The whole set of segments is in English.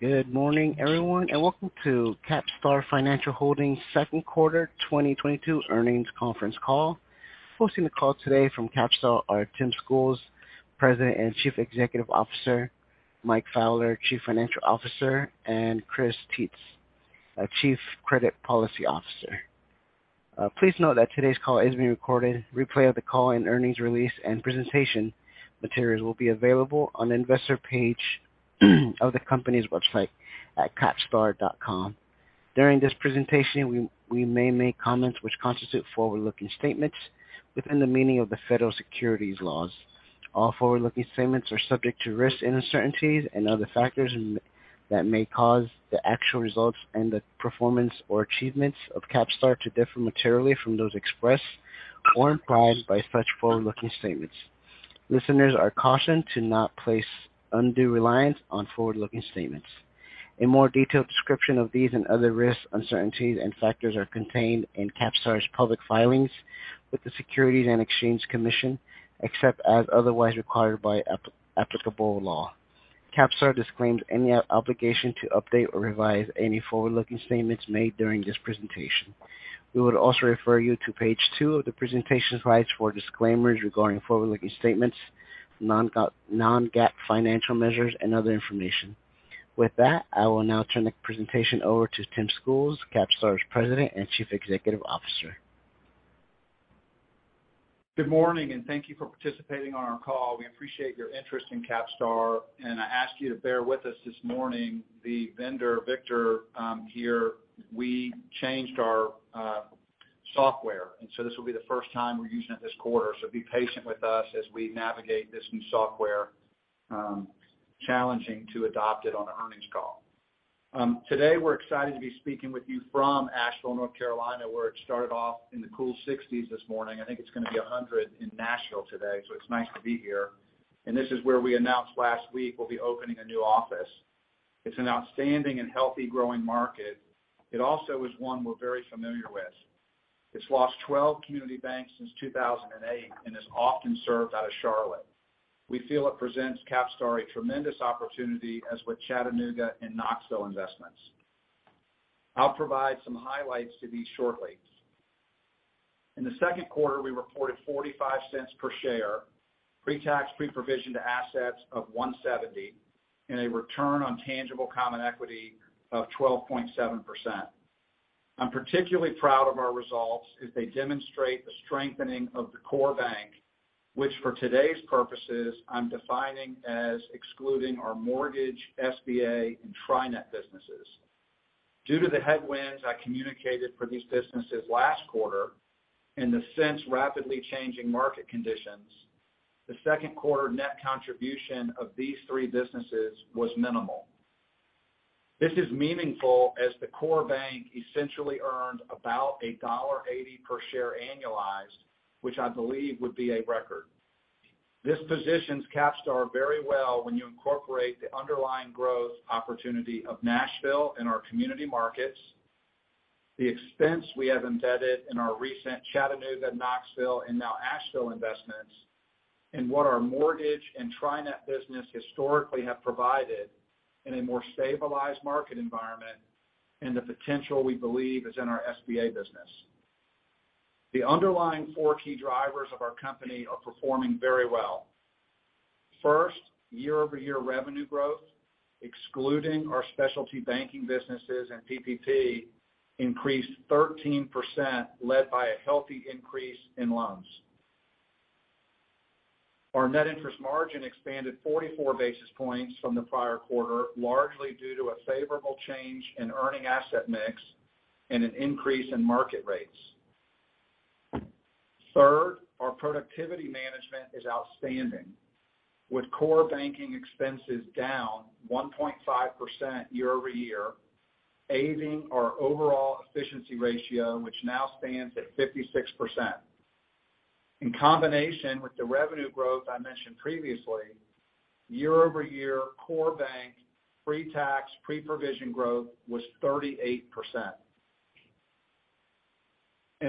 Good morning, everyone, and welcome to CapStar Financial Holdings second quarter 2022 earnings conference call. Hosting the call today from CapStar are Tim Schools, President and Chief Executive Officer, Mike Fowler, Chief Financial Officer, and Chris Tietz, our Chief Credit Policy Officer. Please note that today's call is being recorded. Replay of the call and earnings release and presentation materials will be available on the investor page of the company's website at capstarfinancial.com. During this presentation, we may make comments which constitute forward-looking statements within the meaning of the federal securities laws. All forward-looking statements are subject to risks and uncertainties and other factors that may cause the actual results and the performance or achievements of CapStar to differ materially from those expressed or implied by such forward-looking statements. Listeners are cautioned to not place undue reliance on forward-looking statements. A more detailed description of these and other risks, uncertainties, and factors are contained in CapStar's public filings with the Securities and Exchange Commission, except as otherwise required by applicable law. CapStar disclaims any obligation to update or revise any forward-looking statements made during this presentation. We would also refer you to page 2 of the presentation slides for disclaimers regarding forward-looking statements, non-GAAP financial measures and other information. With that, I will now turn the presentation over to Tim Schools, CapStar's President and Chief Executive Officer. Good morning, and thank you for participating on our call. We appreciate your interest in CapStar, and I ask you to bear with us this morning. The vendor, Victor, here, we changed our software, and this will be the first time we're using it this quarter. Be patient with us as we navigate this new software, challenging to adopt it on an earnings call. Today, we're excited to be speaking with you from Asheville, North Carolina, where it started off in the cool 60s this morning. I think it's gonna be 100 in Nashville today, so it's nice to be here. This is where we announced last week we'll be opening a new office. It's an outstanding and healthy growing market. It also is one we're very familiar with. It's lost 12 community banks since 2008 and is often served out of Charlotte. We feel it presents CapStar a tremendous opportunity, as with Chattanooga and Knoxville investments. I'll provide some highlights to these shortly. In the second quarter, we reported $0.45 per share pre-tax, pre-provision to assets of 1.70% and a return on tangible common equity of 12.7%. I'm particularly proud of our results as they demonstrate the strengthening of the core bank, which for today's purposes, I'm defining as excluding our mortgage, SBA, and TriNet businesses. Due to the headwinds I communicated for these businesses last quarter, in the sense of rapidly changing market conditions, the second quarter net contribution of these three businesses was minimal. This is meaningful as the core bank essentially earned about $1.80 per share annualized, which I believe would be a record. This positions CapStar very well when you incorporate the underlying growth opportunity of Nashville and our community markets, the expense we have embedded in our recent Chattanooga, Knoxville, and now Asheville investments, and what our mortgage and TriNet business historically have provided in a more stabilized market environment and the potential we believe is in our SBA business. The underlying four key drivers of our company are performing very well. First, year-over-year revenue growth, excluding our specialty banking businesses and PPP, increased 13%, led by a healthy increase in loans. Our net interest margin expanded 44 basis points from the prior quarter, largely due to a favorable change in earning asset mix and an increase in market rates. Third, our productivity management is outstanding. With core banking expenses down 1.5% year-over-year, aiding our overall efficiency ratio, which now stands at 56%. In combination with the revenue growth I mentioned previously, year-over-year core bank pre-tax, pre-provision growth was 38%.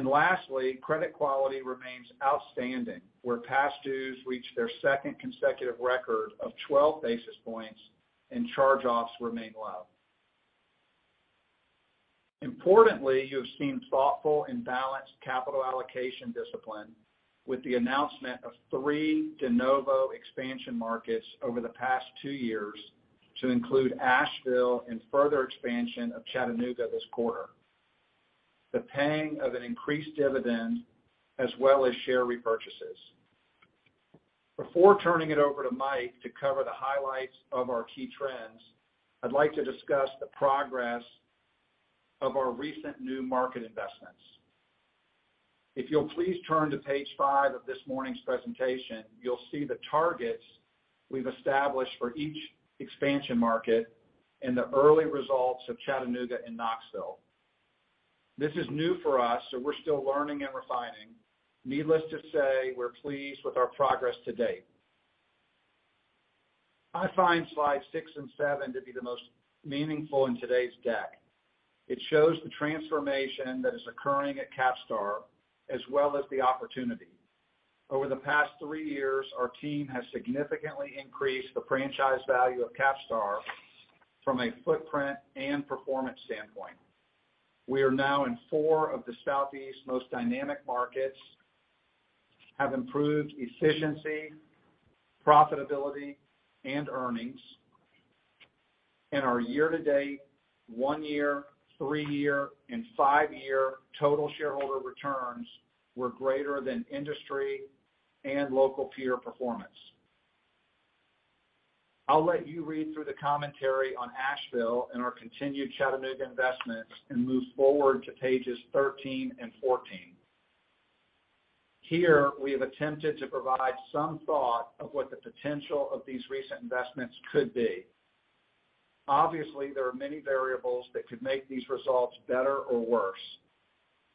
Lastly, credit quality remains outstanding, where past dues reached their second consecutive record low of 12 basis points and charge-offs remain low. Importantly, you have seen thoughtful and balanced capital allocation discipline with the announcement of three de novo expansion markets over the past two years to include Asheville and further expansion of Chattanooga this quarter, the paying of an increased dividend as well as share repurchases. Before turning it over to Mike to cover the highlights of our key trends, I'd like to discuss the progress of our recent new market investments. If you'll please turn to page 5 of this morning's presentation, you'll see the targets we've established for each expansion market and the early results of Chattanooga and Knoxville. This is new for us, so we're still learning and refining. Needless to say, we're pleased with our progress to date. I find slide six and seven to be the most meaningful in today's deck. It shows the transformation that is occurring at CapStar as well as the opportunity. Over the past three years, our team has significantly increased the franchise value of CapStar from a footprint and performance standpoint. We are now in four of the Southeast most dynamic markets, have improved efficiency, profitability, and earnings. Our year-to-date, one-year, three-year, and five-year total shareholder returns were greater than industry and local peer performance. I'll let you read through the commentary on Asheville and our continued Chattanooga investments and move forward to pages 13 and 14. Here, we have attempted to provide some thought of what the potential of these recent investments could be. Obviously, there are many variables that could make these results better or worse.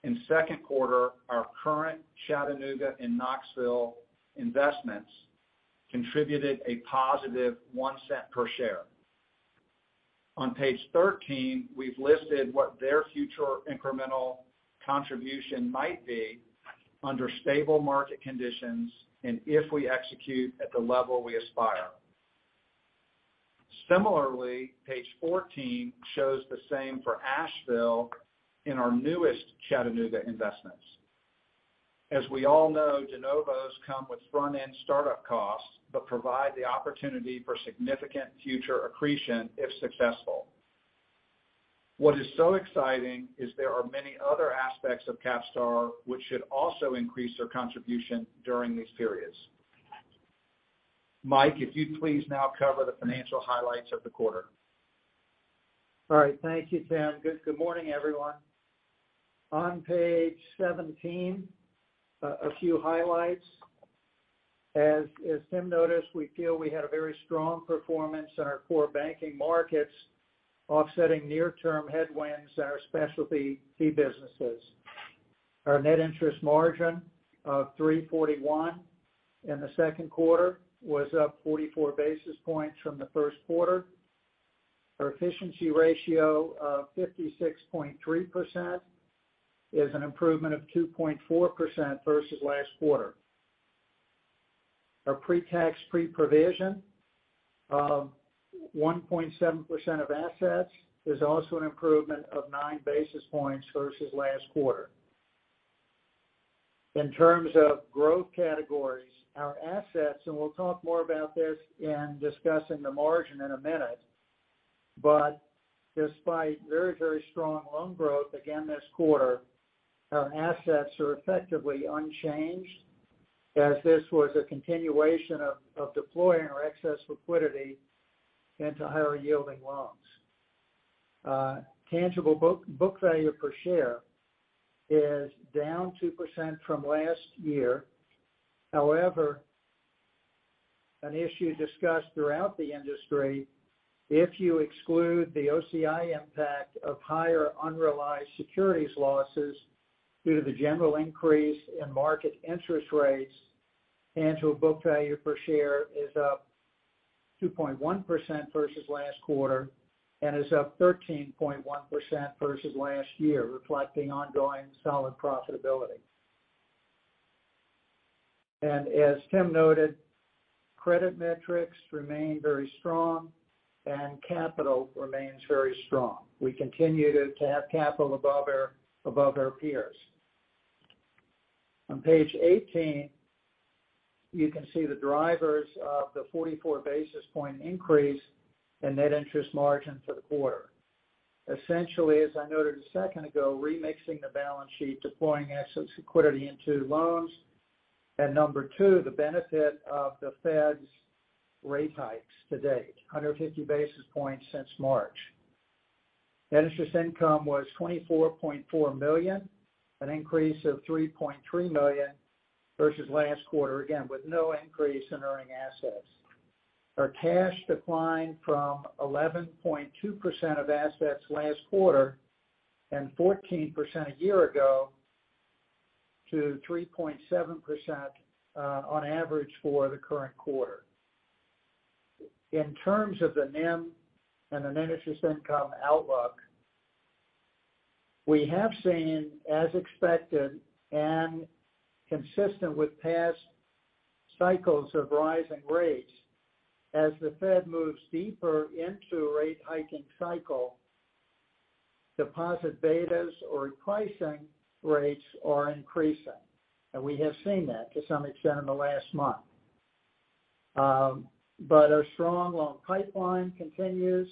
In second quarter, our current Chattanooga and Knoxville investments contributed a positive $0.01 per share. On page 13, we've listed what their future incremental contribution might be under stable market conditions and if we execute at the level we aspire. Similarly, page 14 shows the same for Asheville in our newest Chattanooga investments. As we all know, de novos come with front-end startup costs but provide the opportunity for significant future accretion if successful. What is so exciting is there are many other aspects of CapStar which should also increase their contribution during these periods. Mike, if you'd please now cover the financial highlights of the quarter. All right. Thank you, Tim. Good morning, everyone. On page 17, a few highlights. As Tim noticed, we feel we had a very strong performance in our core banking markets, offsetting near-term headwinds in our specialty key businesses. Our net interest margin of 3.41% in the second quarter was up 44 basis points from the first quarter. Our efficiency ratio of 56.3% is an improvement of 2.4% versus last quarter. Our pre-tax, pre-provision of 1.7% of assets is also an improvement of 9 basis points versus last quarter. In terms of growth categories, our assets, and we'll talk more about this in discussing the margin in a minute, but despite very, very strong loan growth again this quarter, our assets are effectively unchanged, as this was a continuation of deploying our excess liquidity into higher-yielding loans. Tangible book value per share is down 2% from last year. However, an issue discussed throughout the industry, if you exclude the OCI impact of higher unrealized securities losses due to the general increase in market interest rates, tangible book value per share is up 2.1% versus last quarter and is up 13.1% versus last year, reflecting ongoing solid profitability. As Tim noted, credit metrics remain very strong and capital remains very strong. We continue to have capital above our peers. On page 18, you can see the drivers of the 44 basis point increase in net interest margin for the quarter. Essentially, as I noted a second ago, remixing the balance sheet, deploying excess liquidity into loans. Number two, the benefit of the Fed's rate hikes to date, 150 basis points since March. Net interest income was $24.4 million, an increase of $3.3 million versus last quarter, again, with no increase in earning assets. Our cash declined from 11.2% of assets last quarter and 14% a year ago to 3.7% on average for the current quarter. In terms of the NIM and the net interest income outlook, we have seen, as expected and consistent with past cycles of rising rates, as the Fed moves deeper into a rate hiking cycle, deposit betas or pricing rates are increasing. We have seen that to some extent in the last month. Our strong loan pipeline continues,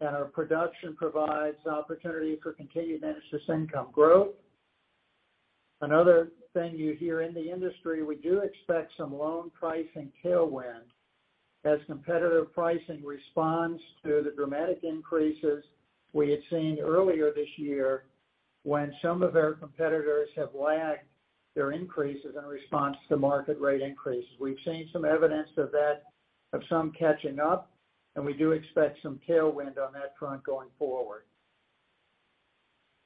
and our production provides opportunity for continued net interest income growth. Another thing you hear in the industry, we do expect some loan pricing tailwind as competitive pricing responds to the dramatic increases we had seen earlier this year when some of our competitors have lagged their increases in response to market rate increases. We've seen some evidence of that, of some catching up, and we do expect some tailwind on that front going forward.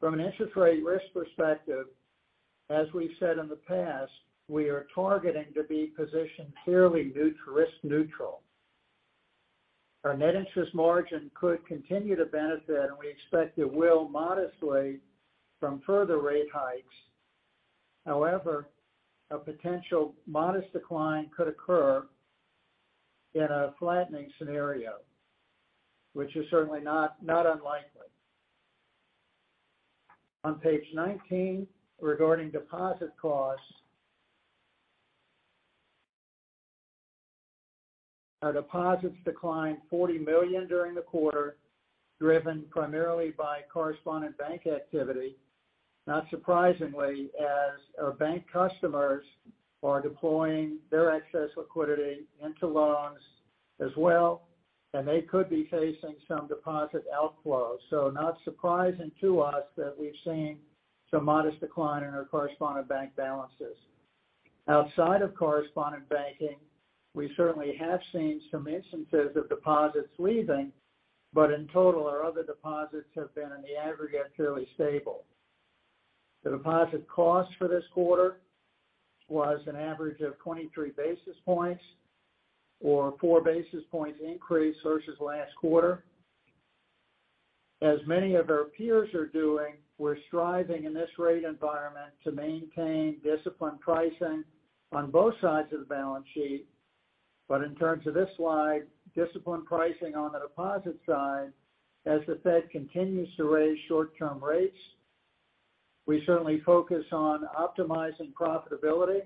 From an interest rate risk perspective, as we've said in the past, we are targeting to be positioned clearly risk neutral. Our net interest margin could continue to benefit, and we expect it will modestly from further rate hikes. However, a potential modest decline could occur in a flattening scenario, which is certainly not unlikely. On page 19, regarding deposit costs. Our deposits declined $40 million during the quarter, driven primarily by correspondent bank activity, not surprisingly, as our bank customers are deploying their excess liquidity into loans as well, and they could be facing some deposit outflows. Not surprising to us that we've seen some modest decline in our correspondent bank balances. Outside of correspondent banking, we certainly have seen some instances of deposits leaving, but in total, our other deposits have been, in the aggregate, fairly stable. The deposit cost for this quarter was an average of 23 basis points or 4 basis points increase versus last quarter. As many of our peers are doing, we're striving in this rate environment to maintain disciplined pricing on both sides of the balance sheet. In terms of this slide, disciplined pricing on the deposit side as the Fed continues to raise short-term rates. We certainly focus on optimizing profitability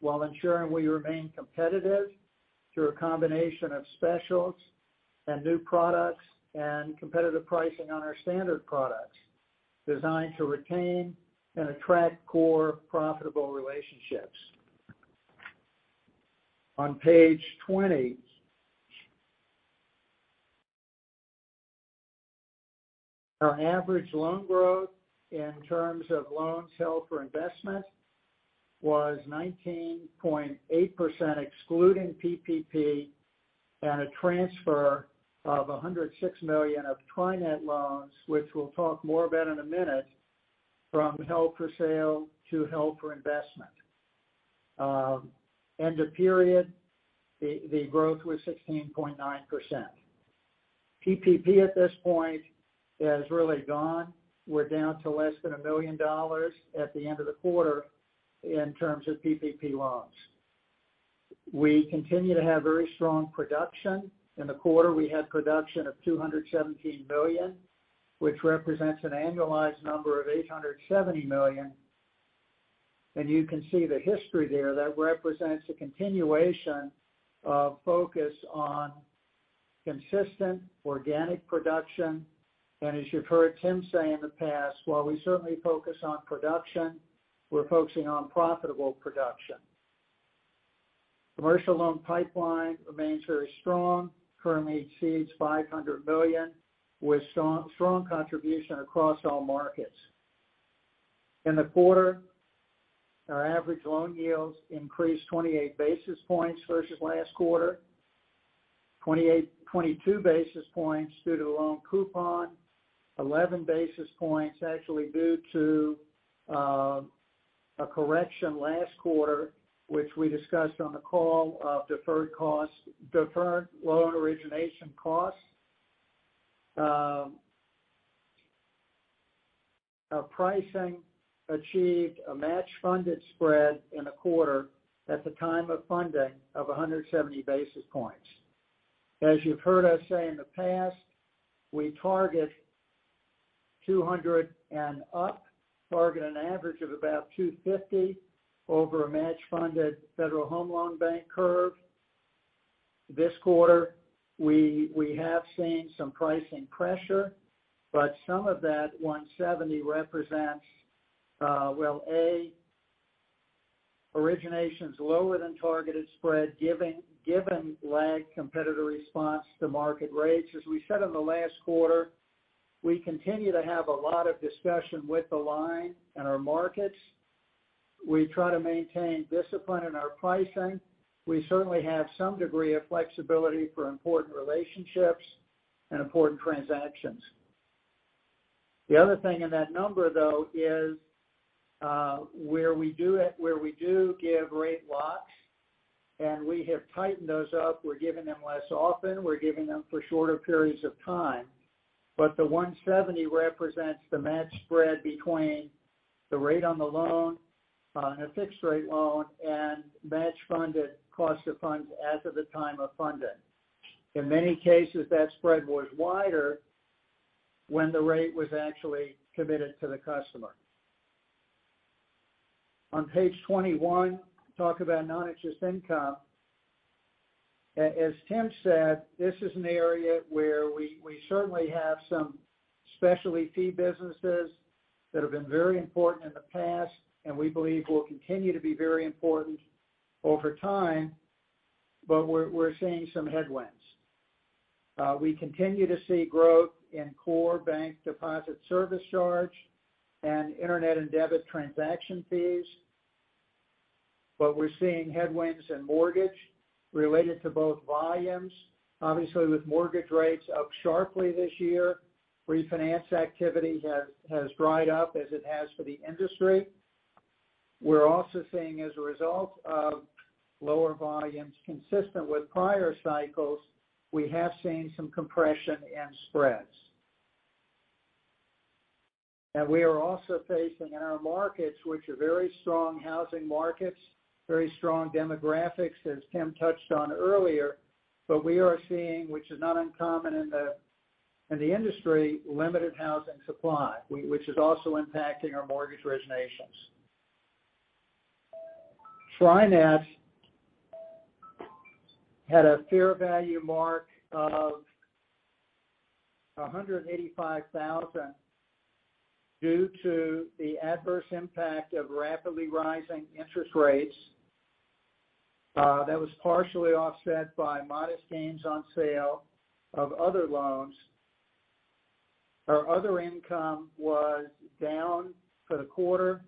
while ensuring we remain competitive through a combination of specials and new products and competitive pricing on our standard products designed to retain and attract core profitable relationships. On page 20. Our average loan growth in terms of loans held for investment was 19.8%, excluding PPP and a transfer of $106 million of TriNet loans, which we'll talk more about in a minute, from held for sale to held for investment. End of period, the growth was 16.9%. PPP at this point is really gone. We're down to less than $1 million at the end of the quarter in terms of PPP loans. We continue to have very strong production. In the quarter, we had production of $217 million, which represents an annualized number of $870 million. You can see the history there. That represents a continuation of focus on consistent organic production. As you've heard Tim say in the past, while we certainly focus on production, we're focusing on profitable production. Commercial loan pipeline remains very strong, currently exceeds $500 million, with strong contribution across all markets. In the quarter, our average loan yields increased 28 basis points versus last quarter. 22 basis points due to loan coupon, 11 basis points actually due to a correction last quarter, which we discussed on the call of deferred loan origination costs. Our pricing achieved a match-funded spread in the quarter at the time of funding of 170 basis points. As you've heard us say in the past, we target 200 and up, target an average of about 250 over a match-funded Federal Home Loan Bank curve. This quarter, we have seen some pricing pressure, but some of that 170 represents, A, originations lower than targeted spread given lagged competitor response to market rates. As we said in the last quarter, we continue to have a lot of discussion with the line and our markets. We try to maintain discipline in our pricing. We certainly have some degree of flexibility for important relationships and important transactions. The other thing in that number, though, is where we do give rate locks, and we have tightened those up. We're giving them less often. We're giving them for shorter periods of time. The 170 represents the match spread between the rate on the loan, on a fixed rate loan, and match-funded cost of funds as of the time of funding. In many cases, that spread was wider when the rate was actually committed to the customer. On page 21, talk about non-interest income. As Tim said, this is an area where we certainly have some specialty fee businesses that have been very important in the past, and we believe will continue to be very important over time, but we're seeing some headwinds. We continue to see growth in core bank deposit service charge and interchange and debit transaction fees, but we're seeing headwinds in mortgage, related to both volumes. Obviously, with mortgage rates up sharply this year, refinance activity has dried up as it has for the industry. We're also seeing as a result of lower volumes consistent with prior cycles, we have seen some compression in spreads. We are also facing in our markets, which are very strong housing markets, very strong demographics, as Tim touched on earlier, but we are seeing, which is not uncommon in the industry, limited housing supply, which is also impacting our mortgage originations. TriNet had a fair value mark of $185,000 due to the adverse impact of rapidly rising interest rates. That was partially offset by modest gains on sale of other loans. Our other income was down for the quarter,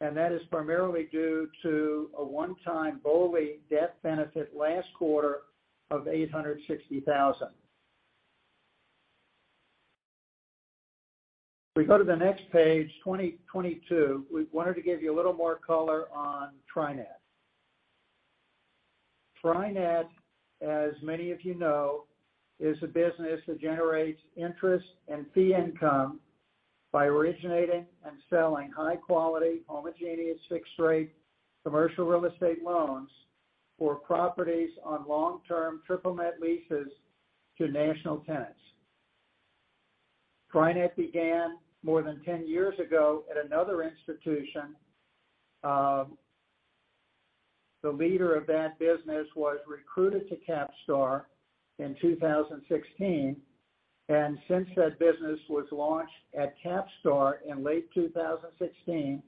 and that is primarily due to a one-time BOLI death benefit last quarter of $860,000. If we go to the next page, 2022, we wanted to give you a little more color on TriNet. TriNet, as many of you know, is a business that generates interest and fee income by originating and selling high quality, homogeneous, fixed rate commercial real estate loans for properties on long-term triple net leases to national tenants. TriNet began more than 10 years ago at another institution. The leader of that business was recruited to CapStar in 2016, and since that business was launched at CapStar in late 2016,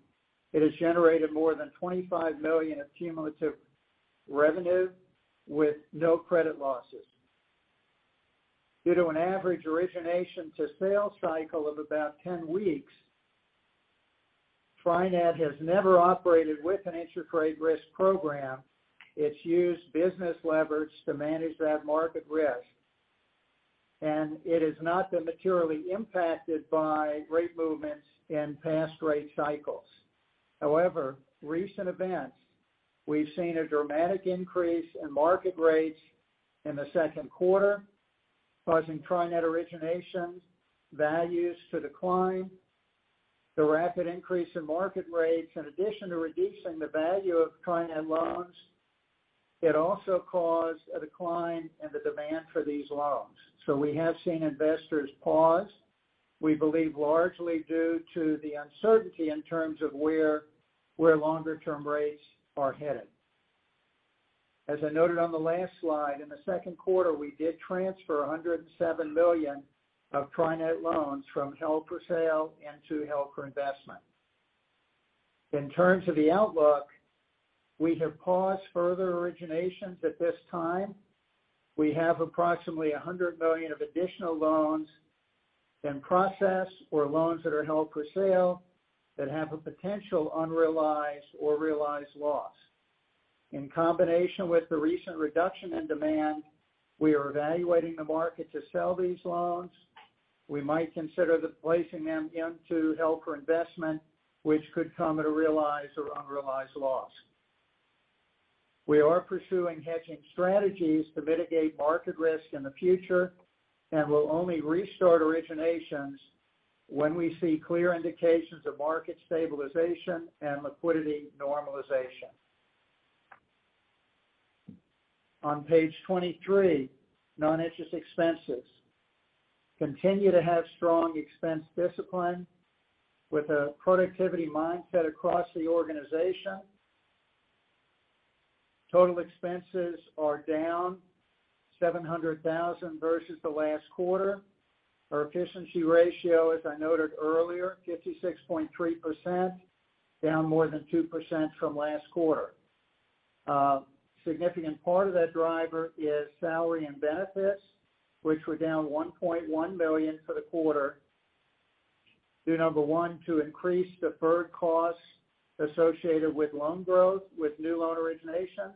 it has generated more than $25 million of cumulative revenue with no credit losses. Due to an average origination to sales cycle of about 10 weeks, TriNet has never operated with an interest rate risk program. It's used business leverage to manage that market risk, and it has not been materially impacted by rate movements in past rate cycles. However, recent events, we've seen a dramatic increase in market rates in the second quarter, causing TriNet origination values to decline. The rapid increase in market rates, in addition to reducing the value of TriNet loans, it also caused a decline in the demand for these loans. We have seen investors pause, we believe largely due to the uncertainty in terms of where longer-term rates are headed. As I noted on the last slide, in the second quarter, we did transfer $107 million of TriNet loans from held for sale into held for investment. In terms of the outlook, we have paused further originations at this time. We have approximately $100 million of additional loans in process or loans that are held for sale that have a potential unrealized or realized loss. In combination with the recent reduction in demand, we are evaluating the market to sell these loans. We might consider placing them into held for investment, which could come at a realized or unrealized loss. We are pursuing hedging strategies to mitigate market risk in the future and will only restart originations when we see clear indications of market stabilization and liquidity normalization. On page 23, non-interest expenses. Continue to have strong expense discipline with a productivity mindset across the organization. Total expenses are down $700,000 versus the last quarter. Our efficiency ratio, as I noted earlier, 56.3%, down more than 2% from last quarter. Significant part of that driver is salary and benefits, which were down $1.1 million for the quarter, due, number one, to increased deferred costs associated with loan growth, with new loan originations,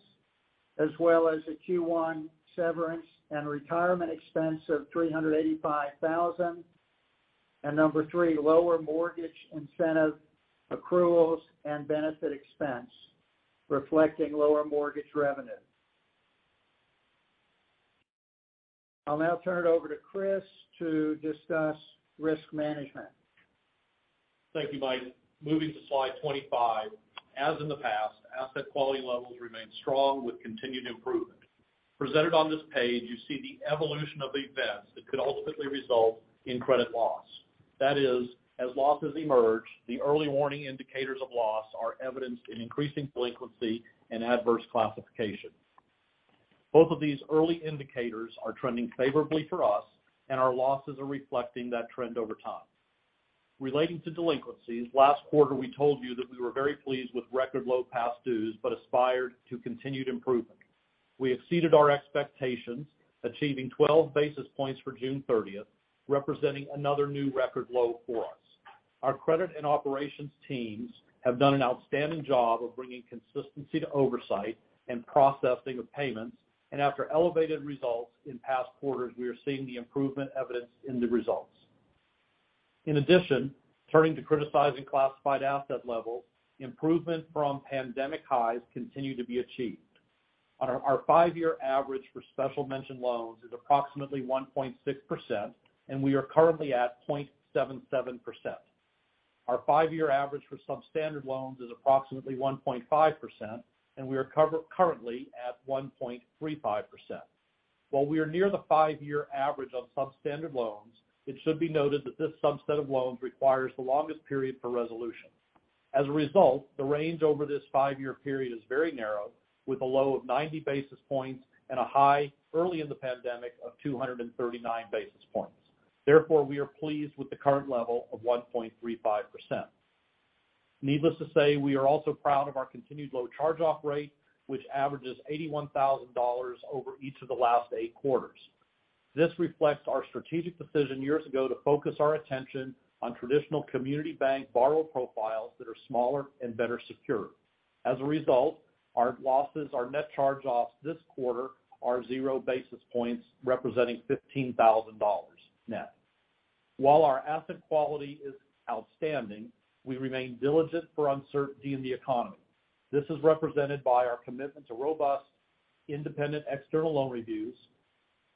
as well as a Q1 severance and retirement expense of $385,000. Number three, lower mortgage incentive accruals and benefit expense reflecting lower mortgage revenue. I'll now turn it over to Chris to discuss risk management. Thank you, Mike. Moving to slide 25. As in the past, asset quality levels remain strong with continued improvement. Presented on this page, you see the evolution of events that could ultimately result in credit loss. That is, as losses emerge, the early warning indicators of loss are evidenced in increasing delinquency and adverse classification. Both of these early indicators are trending favorably for us, and our losses are reflecting that trend over time. Relating to delinquencies, last quarter, we told you that we were very pleased with record low past dues, but aspired to continued improvement. We exceeded our expectations, achieving 12 basis points for June 30th, representing another new record low for us. Our credit and operations teams have done an outstanding job of bringing consistency to oversight and processing of payments, and after elevated results in past quarters, we are seeing the improvement evidenced in the results. In addition, turning to criticized classified asset levels, improvement from pandemic highs continue to be achieved. Our five-year average for special mention loans is approximately 1.6%, and we are currently at 0.77%. Our five-year average for substandard loans is approximately 1.5%, and we are currently at 1.35%. While we are near the five-year average of substandard loans, it should be noted that this subset of loans requires the longest period for resolution. As a result, the range over this five-year period is very narrow, with a low of 90 basis points and a high early in the pandemic of 239 basis points. Therefore, we are pleased with the current level of 1.35%. Needless to say, we are also proud of our continued low charge-off rate, which averages $81,000 over each of the last eight quarters. This reflects our strategic decision years ago to focus our attention on traditional community bank borrower profiles that are smaller and better secured. As a result, our losses, our net charge-offs this quarter are 0 basis points, representing $15,000 net. While our asset quality is outstanding, we remain diligent for uncertainty in the economy. This is represented by our commitment to robust independent external loan reviews,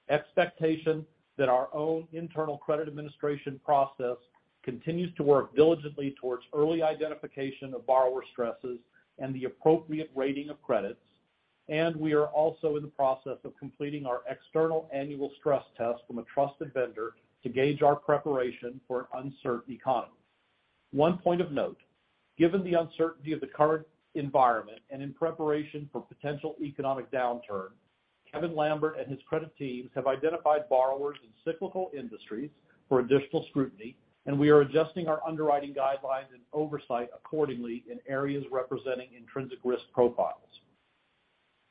expectation that our own internal credit administration process continues to work diligently towards early identification of borrower stresses and the appropriate rating of credits. We are also in the process of completing our external annual stress test from a trusted vendor to gauge our preparation for uncertain economies. One point of note, given the uncertainty of the current environment and in preparation for potential economic downturn, Kevin Lambert and his credit teams have identified borrowers in cyclical industries for additional scrutiny, and we are adjusting our underwriting guidelines and oversight accordingly in areas representing intrinsic risk profiles.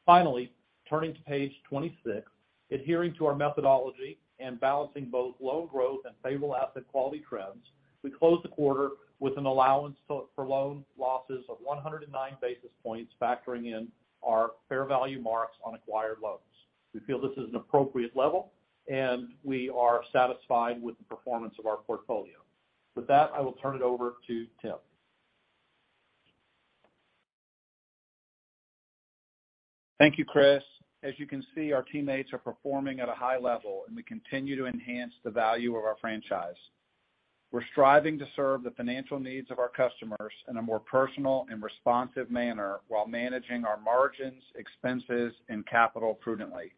Finally, turning to page 26, adhering to our methodology and balancing both loan growth and favorable asset quality trends, we closed the quarter with an allowance for loan losses of 109 basis points factoring in our fair value marks on acquired loans. We feel this is an appropriate level, and we are satisfied with the performance of our portfolio. With that, I will turn it over to Tim. Thank you, Chris. As you can see, our teammates are performing at a high level, and we continue to enhance the value of our franchise. We're striving to serve the financial needs of our customers in a more personal and responsive manner while managing our margins, expenses, and capital prudently.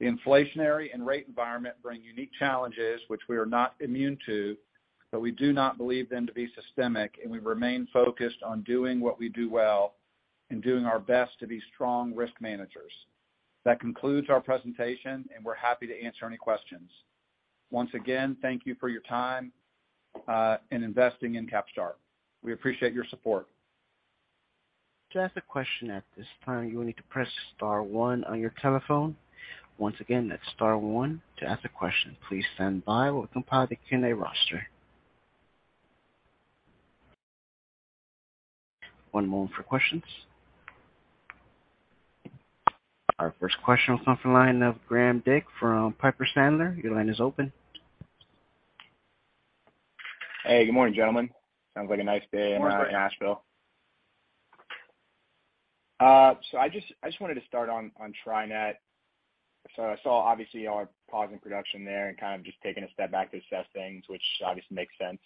The inflationary and rate environment bring unique challenges which we are not immune to, but we do not believe them to be systemic, and we remain focused on doing what we do well and doing our best to be strong risk managers. That concludes our presentation, and we're happy to answer any questions. Once again, thank you for your time, in investing in CapStar. We appreciate your support. To ask a question at this time, you will need to press star one on your telephone. Once again, that's star one to ask a question. Please stand by while we compile the Q&A roster. One moment for questions. Our first question comes from the line of Graham Dick from Piper Sandler. Your line is open. Hey, good morning, gentlemen. Sounds like a nice day in Nashville. I just wanted to start on TriNet. I saw obviously our pause in production there and kind of just taking a step back to assess things, which obviously makes sense.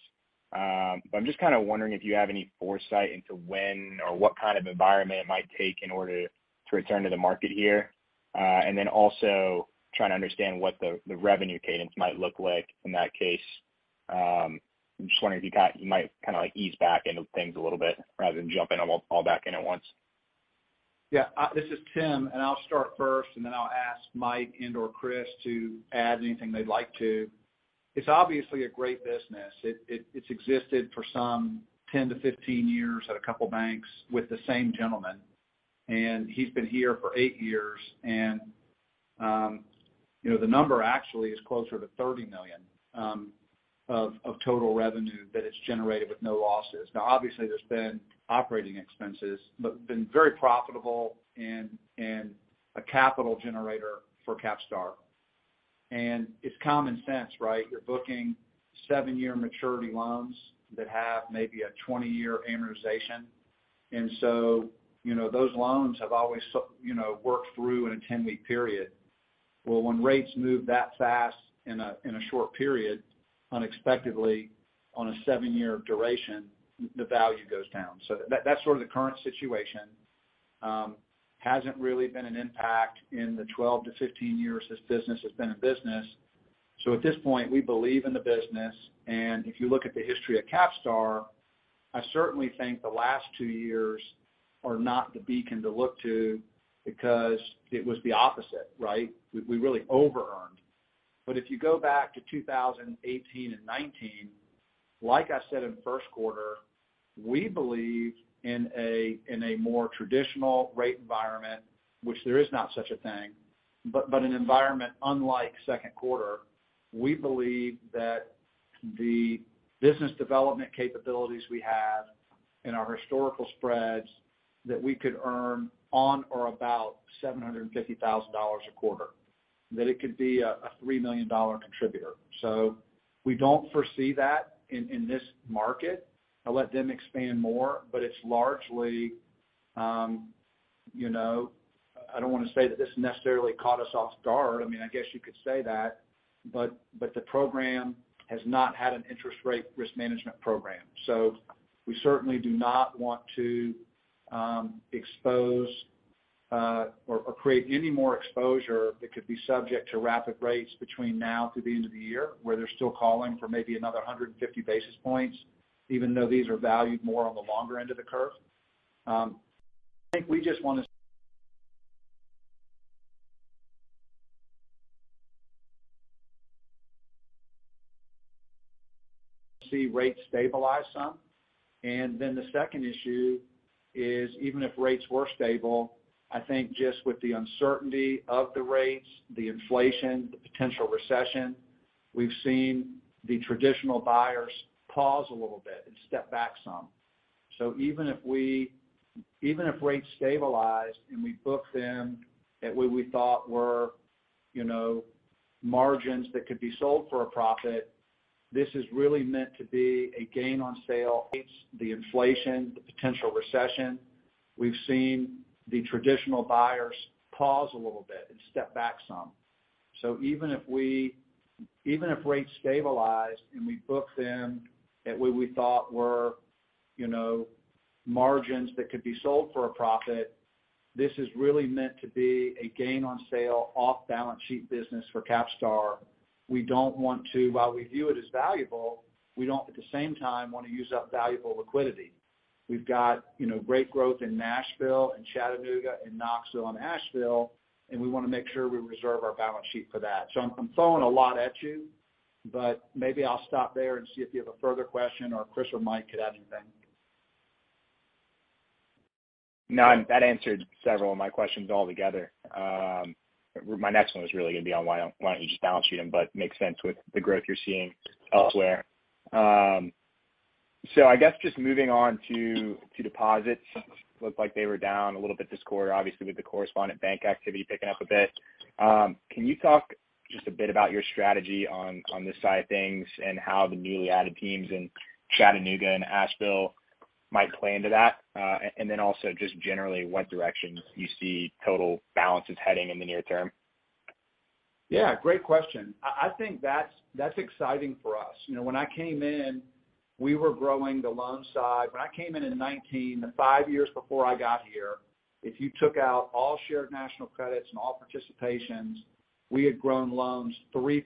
I'm just kinda wondering if you have any foresight into when or what kind of environment it might take in order to return to the market here. Then also trying to understand what the revenue cadence might look like in that case. I'm just wondering if you might kinda like ease back into things a little bit rather than jumping all back in at once. Yeah. This is Tim, and I'll start first, and then I'll ask Mike and/or Chris to add anything they'd like to. It's obviously a great business. It's existed for some 10-15 years at a couple banks with the same gentleman, and he's been here for eight years. You know, the number actually is closer to $30 million of total revenue that it's generated with no losses. Now, obviously, there's been operating expenses, but been very profitable and a capital generator for CapStar. It's common sense, right? You're booking seven-year maturity loans that have maybe a 20-year amortization. You know, those loans have always you know, worked through in a 10-week period. Well, when rates move that fast in a short period, unexpectedly on a seven-year duration, the value goes down. That's sort of the current situation. Hasn't really been an impact in the 12-15 years this business has been in business. At this point, we believe in the business. If you look at the history of CapStar, I certainly think the last two years are not the beacon to look to because it was the opposite, right? We really overearned. If you go back to 2018 and 2019, like I said in the first quarter, we believe in a more traditional rate environment, which there is not such a thing, but an environment unlike second quarter. We believe that the business development capabilities we have in our historical spreads that we could earn on or about $750,000 a quarter, that it could be a $3 million contributor. We don't foresee that in this market. I'll let them expand more, but it's largely, you know, I don't wanna say that this necessarily caught us off guard. I mean, I guess you could say that, but the program has not had an interest rate risk management program. We certainly do not want to expose or create any more exposure that could be subject to rapid rates between now to the end of the year, where they're still calling for maybe another 150 basis points, even though these are valued more on the longer end of the curve. I think we just wanna see rates stabilize some. The second issue is, even if rates were stable, I think just with the uncertainty of the rates, the inflation, the potential recession, we've seen the traditional buyers pause a little bit and step back some. Even if rates stabilized, and we booked them at where we thought were, you know, margins that could be sold for a profit, this is really meant to be a gain on sale off balance sheet business for CapStar. While we view it as valuable, we don't, at the same time, wanna use up valuable liquidity. We've got, you know, great growth in Nashville and Chattanooga and Knoxville and Asheville, and we wanna make sure we reserve our balance sheet for that. I'm throwing a lot at you, but maybe I'll stop there and see if you have a further question, or Chris or Mike could add anything. No, that answered several of my questions all together. My next one was really gonna be on why don't you just balance sheet them, but makes sense with the growth you're seeing elsewhere. I guess just moving on to deposits. Looked like they were down a little bit this quarter, obviously, with the correspondent bank activity picking up a bit. Can you talk just a bit about your strategy on this side of things and how the newly added teams in Chattanooga and Asheville might play into that? Also just generally what direction you see total balances heading in the near term. Yeah, great question. I think that's exciting for us. You know, when I came in, we were growing the loan side. When I came in 2019, the five years before I got here, if you took out all shared national credits and all participations, we had grown loans 3%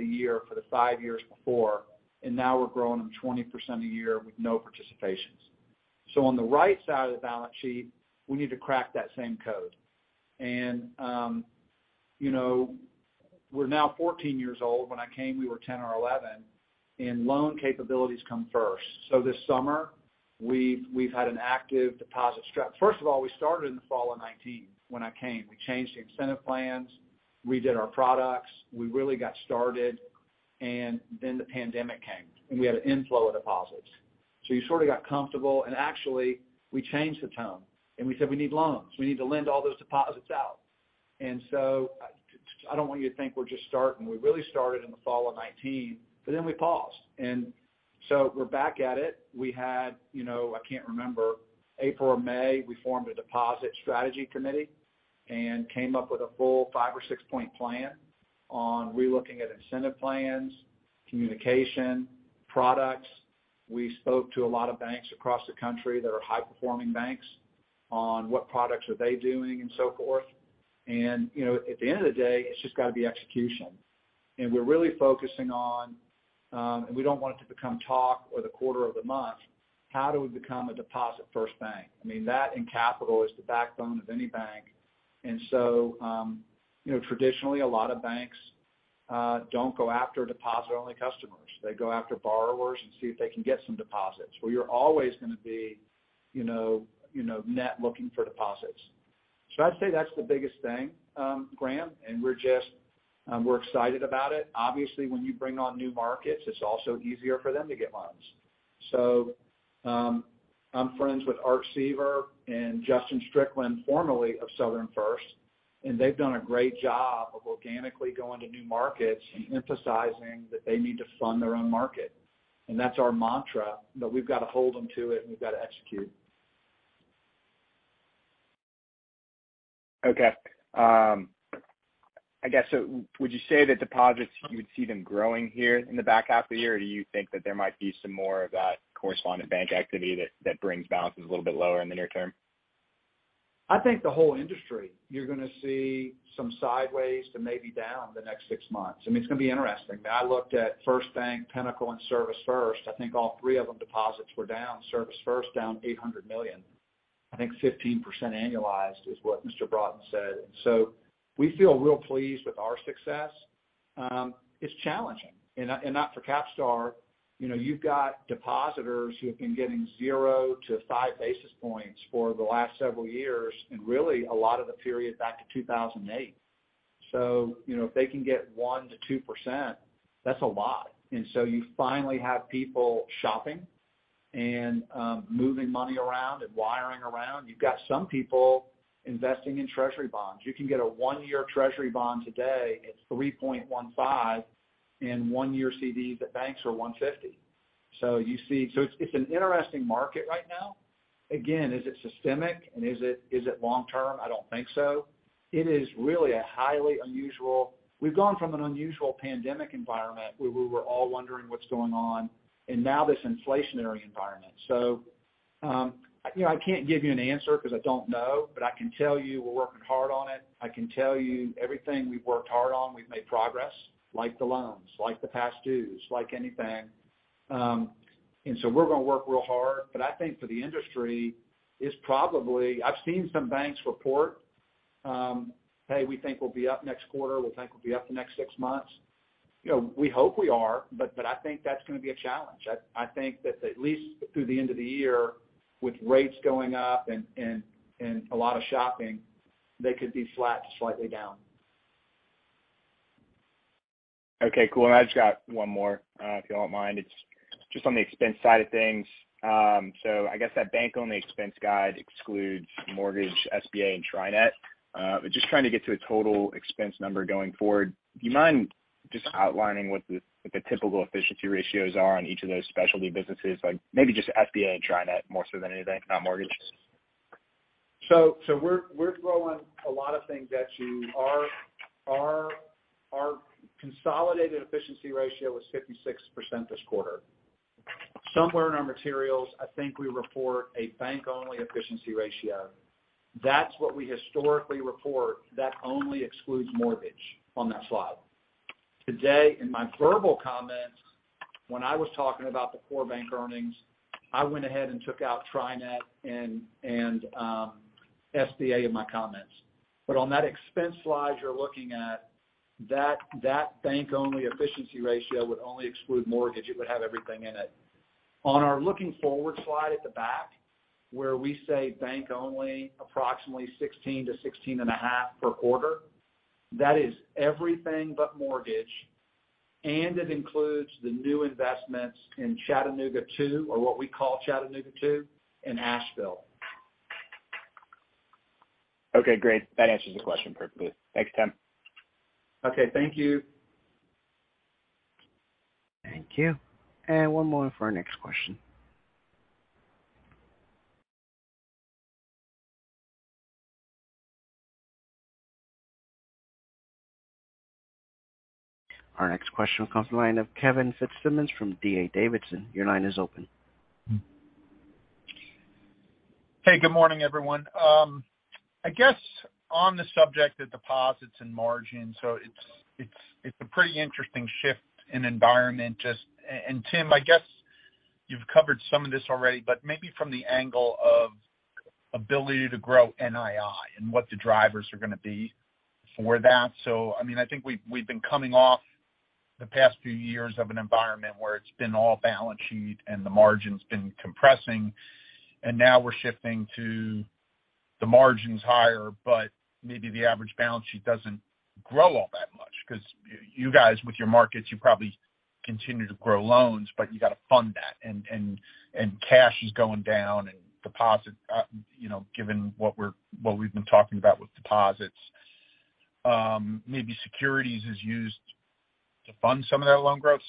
a year for the five years before, and now we're growing them 20% a year with no participations. On the right side of the balance sheet, we need to crack that same code. You know, we're now 14 years old. When I came, we were 10 or 11, and loan capabilities come first. This summer, we've had an active deposit first of all, we started in the fall of 2019 when I came. We changed the incentive plans. We redid our products. We really got started, and then the pandemic came, and we had an inflow of deposits. You sort of got comfortable. Actually, we changed the tone, and we said, "We need loans. We need to lend all those deposits out. I don't want you to think we're just starting. We really started in the fall of 2019, but then we paused. We're back at it. We had, you know, I can't remember, April or May, we formed a deposit strategy committee and came up with a full 5 or 6-point plan on relooking at incentive plans, communication, products. We spoke to a lot of banks across the country that are high-performing banks on what products are they doing and so forth. You know, at the end of the day, it's just gotta be execution. We're really focusing on, and we don't want it to become the talk of the quarter or the month, how do we become a deposit-first bank? I mean, that and capital is the backbone of any bank. You know, traditionally, a lot of banks don't go after deposit-only customers. They go after borrowers and see if they can get some deposits, where you're always gonna be, you know, net looking for deposits. I'd say that's the biggest thing, Graham, and we're just, we're excited about it. Obviously, when you bring on new markets, it's also easier for them to get loans. I'm friends with Art Seaver and Justin Strickland, formerly of Southern First, and they've done a great job of organically going to new markets and emphasizing that they need to fund their own market. That's our mantra, but we've got to hold them to it and we've got to execute. Okay. I guess, so would you say that deposits, you would see them growing here in the back half of the year? Or do you think that there might be some more of that correspondent bank activity that brings balances a little bit lower in the near term? I think the whole industry, you're gonna see some sideways to maybe down the next six months. I mean, it's gonna be interesting. I looked at FirstBank, Pinnacle and ServisFirst. I think all three of them deposits were down. ServisFirst, down $800 million. I think 15% annualized is what Mr. Broughton said. We feel real pleased with our success. It's challenging. Not for CapStar. You know, you've got depositors who have been getting zero to five basis points for the last several years, and really a lot of the period back to 2008. You know, if they can get 1%-2%, that's a lot. You finally have people shopping and moving money around and wiring around. You've got some people investing in treasury bonds. You can get a one-year Treasury bond today at 3.15, and one-year CDs at banks are 1.50. It's an interesting market right now. Again, is it systemic, and is it long term? I don't think so. It is really a highly unusual. We've gone from an unusual pandemic environment where we were all wondering what's going on and now this inflationary environment. You know, I can't give you an answer because I don't know, but I can tell you we're working hard on it. I can tell you everything we've worked hard on, we've made progress, like the loans, like the past dues, like anything. We're gonna work real hard. I think for the industry, it's probably. I've seen some banks report, hey, we think we'll be up next quarter. We think we'll be up the next six months. You know, we hope we are, but I think that's gonna be a challenge. I think that at least through the end of the year, with rates going up and a lot of shopping, they could be flat to slightly down. Okay, cool. I've just got one more, if you don't mind. It's just on the expense side of things. I guess that bank-only expense guide excludes mortgage, SBA, and TriNet. Just trying to get to a total expense number going forward, do you mind just outlining what the typical efficiency ratios are on each of those specialty businesses? Like, maybe just SBA and TriNet more so than anything, not mortgage. We're throwing a lot of things at you. Our consolidated efficiency ratio was 56% this quarter. Somewhere in our materials, I think we report a bank-only efficiency ratio. That's what we historically report that only excludes mortgage on that slide. Today, in my verbal comments, when I was talking about the core bank earnings, I went ahead and took out TriNet and SBA in my comments. On that expense slide you're looking at, that bank-only efficiency ratio would only exclude mortgage. It would have everything in it. On our looking forward slide at the back, where we say bank-only approximately $16-16.5 per quarter, that is everything but mortgage, and it includes the new investments in Chattanooga 2, or what we call Chattanooga 2, and Asheville. Okay, great. That answers the question perfectly. Thanks, Tim. Okay, thank you. Thank you. One more for our next question. Our next question comes from the line of Kevin Fitzsimmons from D.A. Davidson. Your line is open. Hey, good morning, everyone. I guess on the subject of deposits and margins, it's a pretty interesting shift in environment, and Tim, I guess you've covered some of this already, but maybe from the angle of ability to grow NII and what the drivers are gonna be for that. I mean, I think we've been coming off the past few years of an environment where it's been all balance sheet and the margin's been compressing, and now we're shifting to the margin's higher, but maybe the average balance sheet doesn't grow all that much. Because you guys, with your markets, you probably continue to grow loans, but you got to fund that and cash is going down and deposits, you know, given what we've been talking about with deposits, maybe securities is used to fund some of that loan growth.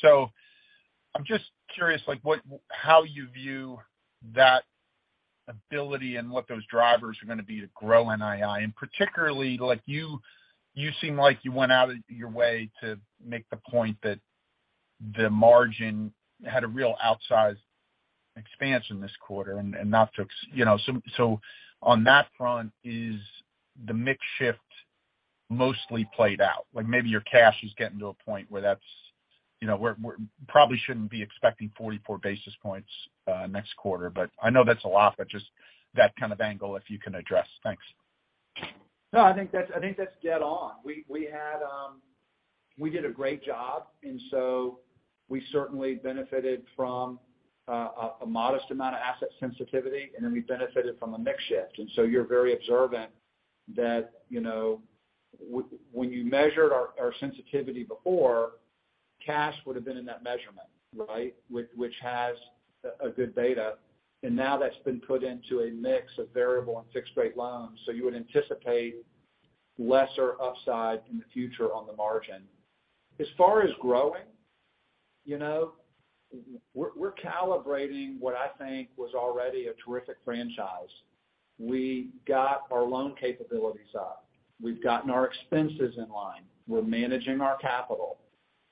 I'm just curious, like, what, how you view that ability and what those drivers are gonna be to grow NII. Particularly, like, you seem like you went out of your way to make the point that the margin had a real outsized expansion in this quarter. You know, on that front, is the mix shift mostly played out? Like, maybe your cash is getting to a point where that's, you know, we're probably shouldn't be expecting 44 basis points next quarter. I know that's a lot, but just that kind of angle, if you can address. Thanks. No, I think that's dead on. We did a great job, and so we certainly benefited from a modest amount of asset sensitivity, and then we benefited from a mix shift. You're very observant that, you know, when you measured our sensitivity before, cash would have been in that measurement, right? Which has a good beta. Now that's been put into a mix of variable and fixed rate loans. You would anticipate lesser upside in the future on the margin. As far as growing, you know, we're calibrating what I think was already a terrific franchise. We got our loan capabilities up. We've gotten our expenses in line. We're managing our capital.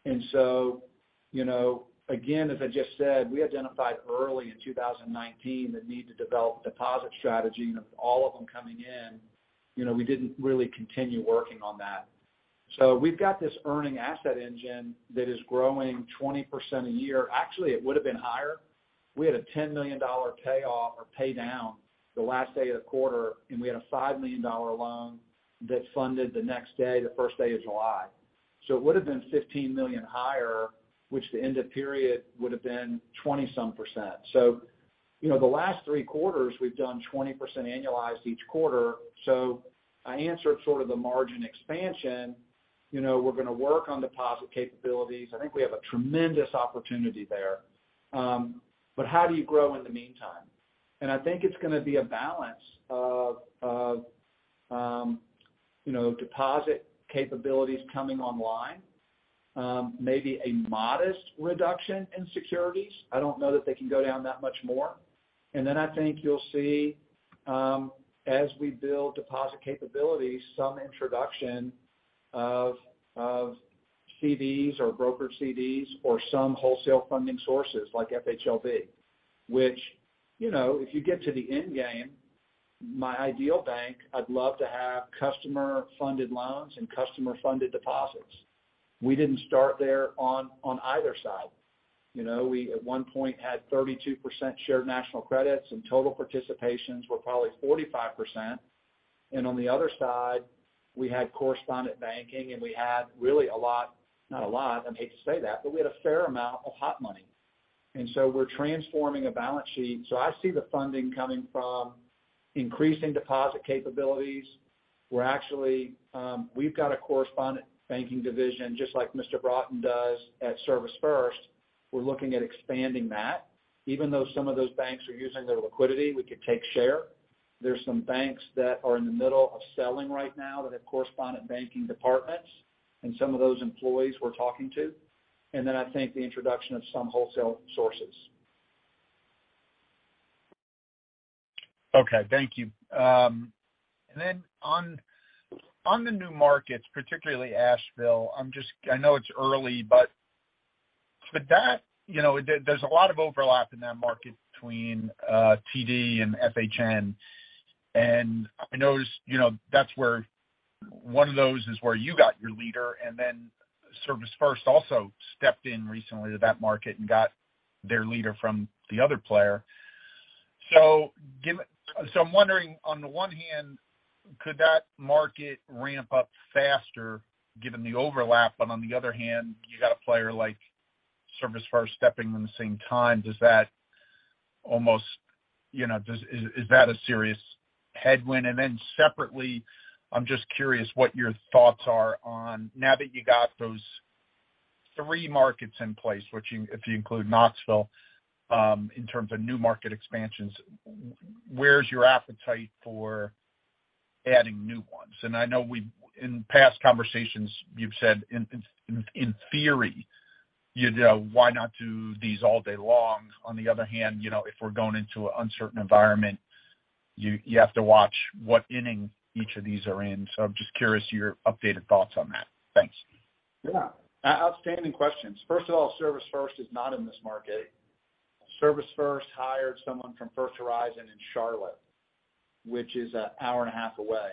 You know, again, as I just said, we identified early in 2019 the need to develop deposit strategy and all of them coming in. You know, we didn't really continue working on that. We've got this earning asset engine that is growing 20% a year. Actually, it would have been higher. We had a $10 million payoff or pay down the last day of the quarter, and we had a $5 million loan that funded the next day, the first day of July. It would have been $15 million higher, which the end of period would have been 20-some%. You know, the last three quarters, we've done 20% annualized each quarter. I answered sort of the margin expansion. You know, we're going to work on deposit capabilities. I think we have a tremendous opportunity there. How do you grow in the meantime? I think it's gonna be a balance of, you know, deposit capabilities coming online, maybe a modest reduction in securities. I don't know that they can go down that much more. Then I think you'll see, as we build deposit capabilities, some introduction of CDs or broker CDs or some wholesale funding sources like FHLB, which, you know, if you get to the end game, my ideal bank, I'd love to have customer-funded loans and customer-funded deposits. We didn't start there on either side. You know, we at one point had 32% shared national credits, and total participations were probably 45%. On the other side, we had correspondent banking, and we had really a lot, not a lot, I hate to say that, but we had a fair amount of hot money. We're transforming a balance sheet. I see the funding coming from increasing deposit capabilities. We're actually, we've got a correspondent banking division, just like Mr. Broughton does at ServisFirst. We're looking at expanding that. Even though some of those banks are using their liquidity, we could take share. There's some banks that are in the middle of selling right now that have correspondent banking departments and some of those employees we're talking to. I think the introduction of some wholesale sources. Okay, thank you. On the new markets, particularly Asheville, I know it's early, but with that, you know, there's a lot of overlap in that market between TD and FHN. I noticed, you know, that's where one of those is where you got your leader and then ServisFirst also stepped in recently to that market and got their leader from the other player. I'm wondering on the one hand, could that market ramp up faster given the overlap? On the other hand, you got a player like ServisFirst stepping in the same time. Does that almost, you know, is that a serious headwind? Then separately, I'm just curious what your thoughts are on now that you got those three markets in place, which if you include Knoxville, in terms of new market expansions, where's your appetite for adding new ones? I know in past conversations, you've said in theory, you know, why not do these all day long? On the other hand, you know, if we're going into an uncertain environment, you have to watch what inning each of these are in. I'm just curious your updated thoughts on that. Thanks. Yeah. Outstanding questions. First of all, ServisFirst is not in this market. ServisFirst hired someone from First Horizon in Charlotte, which is an hour and a half away.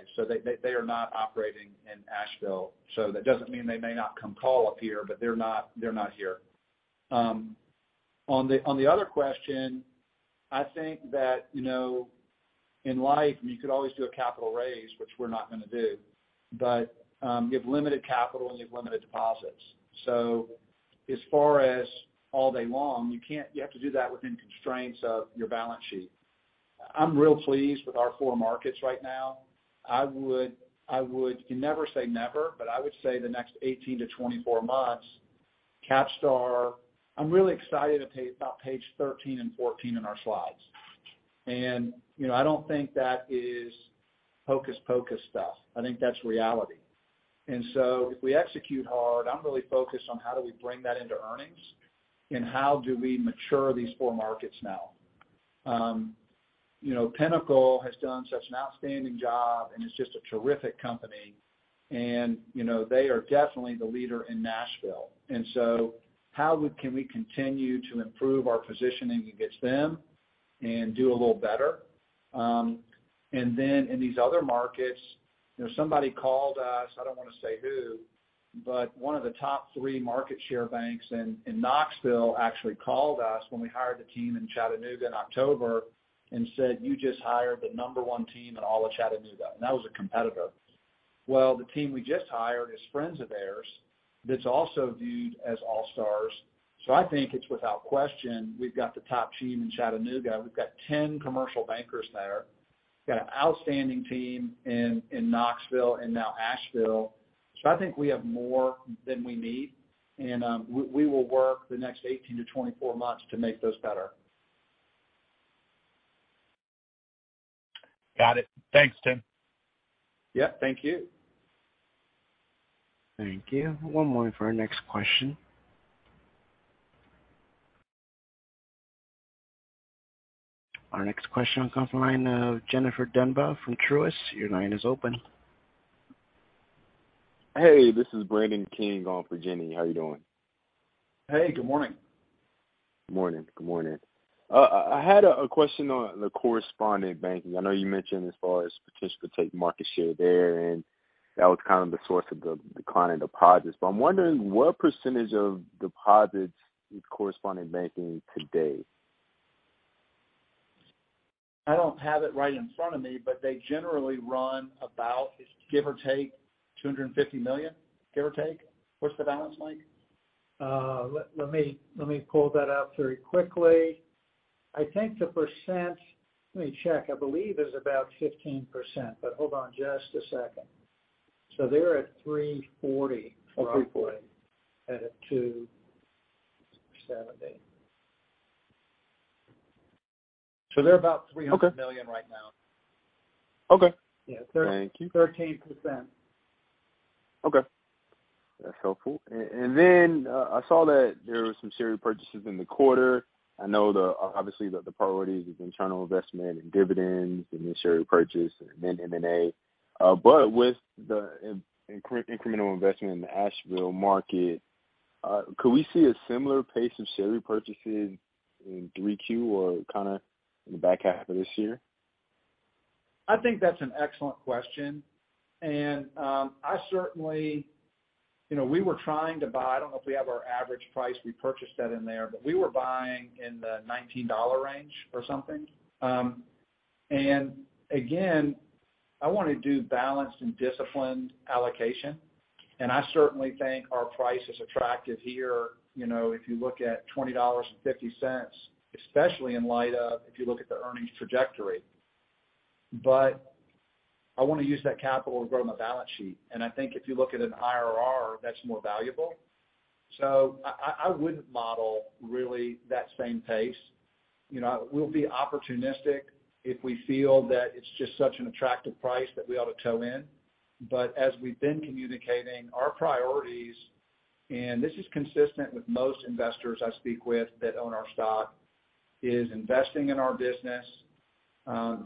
They are not operating in Asheville. That doesn't mean they may not come calling up here, but they're not here. On the other question, I think that, you know, in life, you could always do a capital raise, which we're not gonna do. You have limited capital and you have limited deposits. As far as all day long, you have to do that within constraints of your balance sheet. I'm real pleased with our core markets right now. I would never say never, but I would say the next 18-24 months, CapStar. I'm really excited about page 13 and 14 in our slides. You know, I don't think that is hocus pocus stuff. I think that's reality. If we execute hard, I'm really focused on how do we bring that into earnings and how do we mature these four markets now. You know, Pinnacle has done such an outstanding job and is just a terrific company. You know, they are definitely the leader in Nashville. How can we continue to improve our positioning against them and do a little better? In these other markets, you know, somebody called us. I don't want to say who, but one of the top three market share banks in Knoxville actually called us when we hired the team in Chattanooga in October and said, you just hired the number one team in all of Chattanooga. That was a competitor. Well, the team we just hired is friends of theirs that's also viewed as all-stars. I think it's without question, we've got the top team in Chattanooga. We've got 10 commercial bankers there. We've got an outstanding team in Knoxville and now Asheville. I think we have more than we need. We will work the next 18-24 months to make those better. Got it. Thanks, Tim. Yeah, thank you. Thank you. One moment for our next question. Our next question comes from the line of Jennifer Demba from Truist. Your line is open. Hey, this is Brandon King on for Jenny. How are you doing? Hey, good morning. Morning. Good morning. I had a question on the correspondent banking. I know you mentioned as far as potential to take market share there, and that was kind of the source of the decline in deposits. I'm wondering what percentage of deposits is correspondent banking today? I don't have it right in front of me, but they generally run about, give or take, $250 million, give or take. What's the balance, Link? Let me pull that up very quickly. Let me check. I believe is about 15%, but hold on just a second. They're at 3.40 roughly. Oh, 3:40. At 270. They're about $300 million right now. Okay. Yeah. Thank you. 13%. Okay. That's helpful. I saw that there was some share repurchases in the quarter. I know obviously the priority has been internal investment in dividends, the new share repurchase, and then M&A. With the incremental investment in the Asheville market, could we see a similar pace of share repurchases in 3Q or kinda in the back half of this year? I think that's an excellent question. I certainly. You know, we were trying to buy. I don't know if we have our average price. We purchased that in there, but we were buying in the $19 range or something. I wanna do balanced and disciplined allocation. I certainly think our price is attractive here. You know, if you look at $20.50, especially in light of if you look at the earnings trajectory. I wanna use that capital to grow my balance sheet. I think if you look at an IRR, that's more valuable. I wouldn't model really that same pace. You know, we'll be opportunistic if we feel that it's just such an attractive price that we ought to toe in. As we've been communicating our priorities, and this is consistent with most investors I speak with that own our stock, is investing in our business,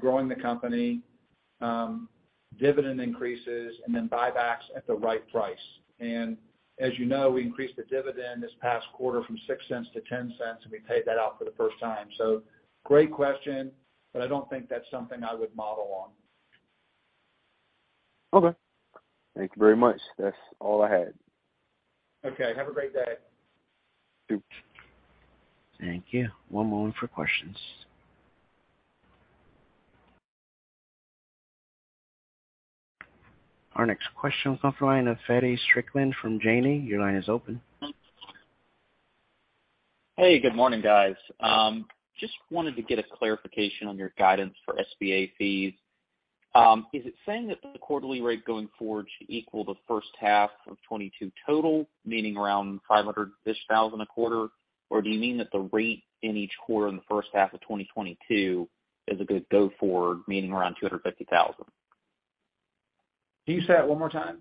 growing the company, dividend increases, and then buybacks at the right price. As you know, we increased the dividend this past quarter from $0.06-$0.10, and we paid that out for the first time. Great question, but I don't think that's something I would model on. Okay. Thank you very much. That's all I had. Okay. Have a great day. Thanks. Thank you. One moment for questions. Our next question comes from the line of Feddie Strickland from Janney. Your line is open. Hey, good morning, guys. Just wanted to get a clarification on your guidance for SBA fees. Is it saying that the quarterly rate going forward should equal the first half of 2022 total, meaning around $500-ish thousand a quarter? Or do you mean that the rate in each quarter in the first half of 2022 is a good go forward, meaning around $250,000? Can you say it one more time?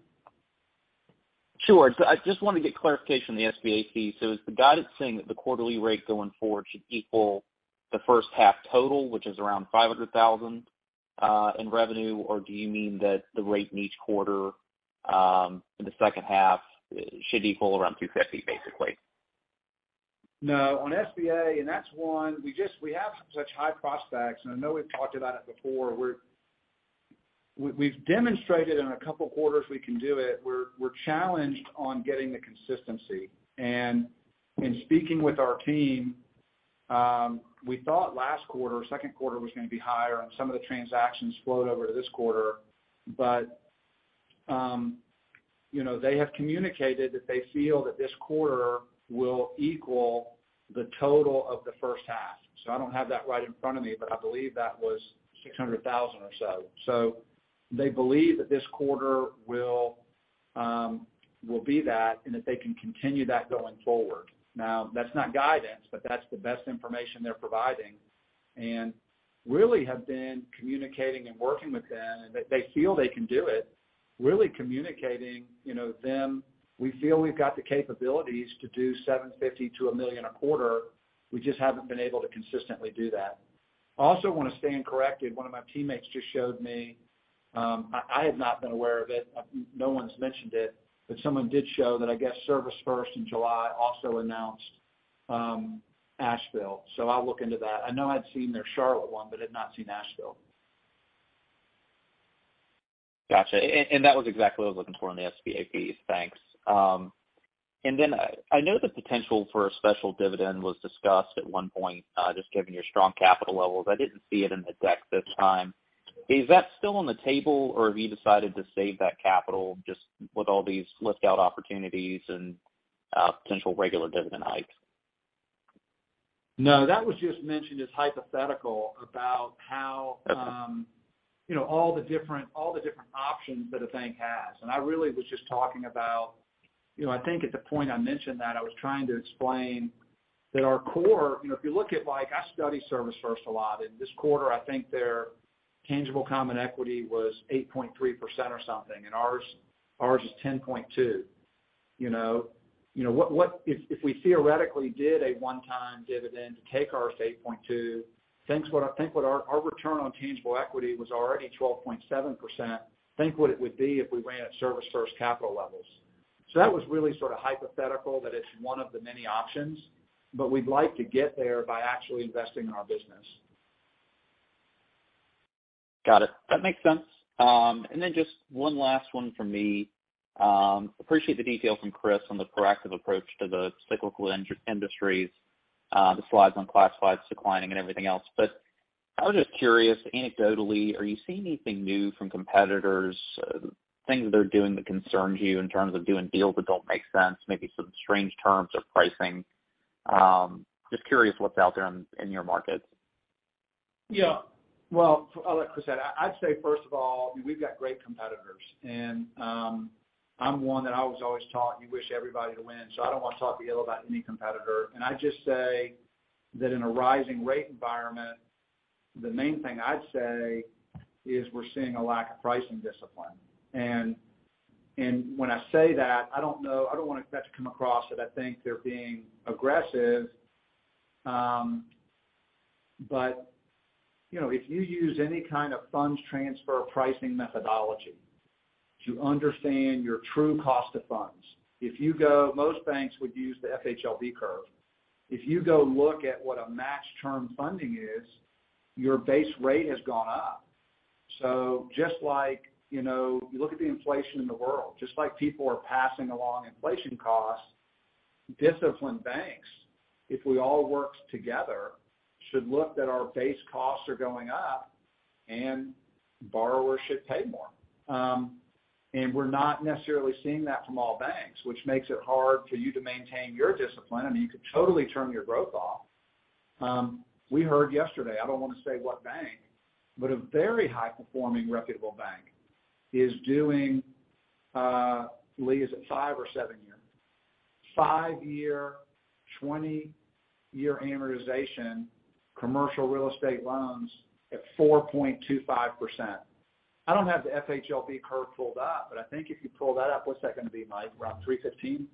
Sure. I just wanted to get clarification on the SBA fee. Is the guidance saying that the quarterly rate going forward should equal the first half total, which is around $500,000 in revenue? Or do you mean that the rate in each quarter, in the second half should equal around $250, basically? No. On SBA, that's one. We have such high prospects, and I know we've talked about it before. We've demonstrated in a couple quarters we can do it. We're challenged on getting the consistency. In speaking with our team, we thought last quarter, second quarter was gonna be higher, and some of the transactions flowed over to this quarter. You know, they have communicated that they feel that this quarter will equal the total of the first half. I don't have that right in front of me, but I believe that was $600,000 or so. They believe that this quarter will be that, and that they can continue that going forward. Now, that's not guidance, but that's the best information they're providing. Really have been communicating and working with them, and they feel they can do it. Really communicating, you know, them. We feel we've got the capabilities to do $750,000-$1 million a quarter. We just haven't been able to consistently do that. I also wanna stand corrected. One of my teammates just showed me. I have not been aware of it. No one's mentioned it, but someone did show that. I guess ServisFirst in July also announced Asheville. So I'll look into that. I know I'd seen their Charlotte one, but had not seen Asheville. Gotcha. That was exactly what I was looking for on the SBA fees. Thanks. I know the potential for a special dividend was discussed at one point, just given your strong capital levels. I didn't see it in the deck this time. Is that still on the table, or have you decided to save that capital just with all these acquisition opportunities and potential regular dividend hikes? No, that was just mentioned as hypothetical about how. Okay. You know, all the different options that a bank has. I really was just talking about. You know, I think at the point I mentioned that, I was trying to explain that our core. You know, if you look at, like, I study ServisFirst a lot. In this quarter, I think their tangible common equity was 8.3% or something, and ours is 10.2%. You know? If we theoretically did a one-time dividend to take ours to 8.2, think what our return on tangible equity was already 12.7%. Think what it would be if we ran at ServisFirst capital levels. That was really sort of hypothetical, that it's one of the many options, but we'd like to get there by actually investing in our business. Got it. That makes sense. Then just one last one from me. Appreciate the details from Chris on the proactive approach to the cyclical industries, the slides on classifieds declining and everything else. I was just curious, anecdotally, are you seeing anything new from competitors, things they're doing that concerns you in terms of doing deals that don't make sense, maybe some strange terms or pricing? Just curious what's out there in your markets. Yeah. Well, I'll let Chris add. I'd say first of all, we've got great competitors. I'm one that I was always taught, you wish everybody to win, so I don't want to talk ill about any competitor. I just say that in a rising rate environment, the main thing I'd say is we're seeing a lack of pricing discipline. When I say that, I don't want that to come across that I think they're being aggressive. But, you know, if you use any kind of funds transfer pricing methodology to understand your true cost of funds, if you go, most banks would use the FHLB curve. If you go look at what a match term funding is, your base rate has gone up. Just like, you know, you look at the inflation in the world, just like people are passing along inflation costs. Disciplined banks, if we all worked together, should be that our base costs are going up and borrowers should pay more. We're not necessarily seeing that from all banks, which makes it hard for you to maintain your discipline. I mean, you could totally turn your growth off. We heard yesterday, I don't want to say what bank, but a very high-performing reputable bank is doing, Lee, is it five or seven-year? Five-year, 20-year amortization commercial real estate loans at 4.25%. I don't have the FHLB curve pulled up, but I think if you pull that up, what's that going to be, Mike? Around 3.15%?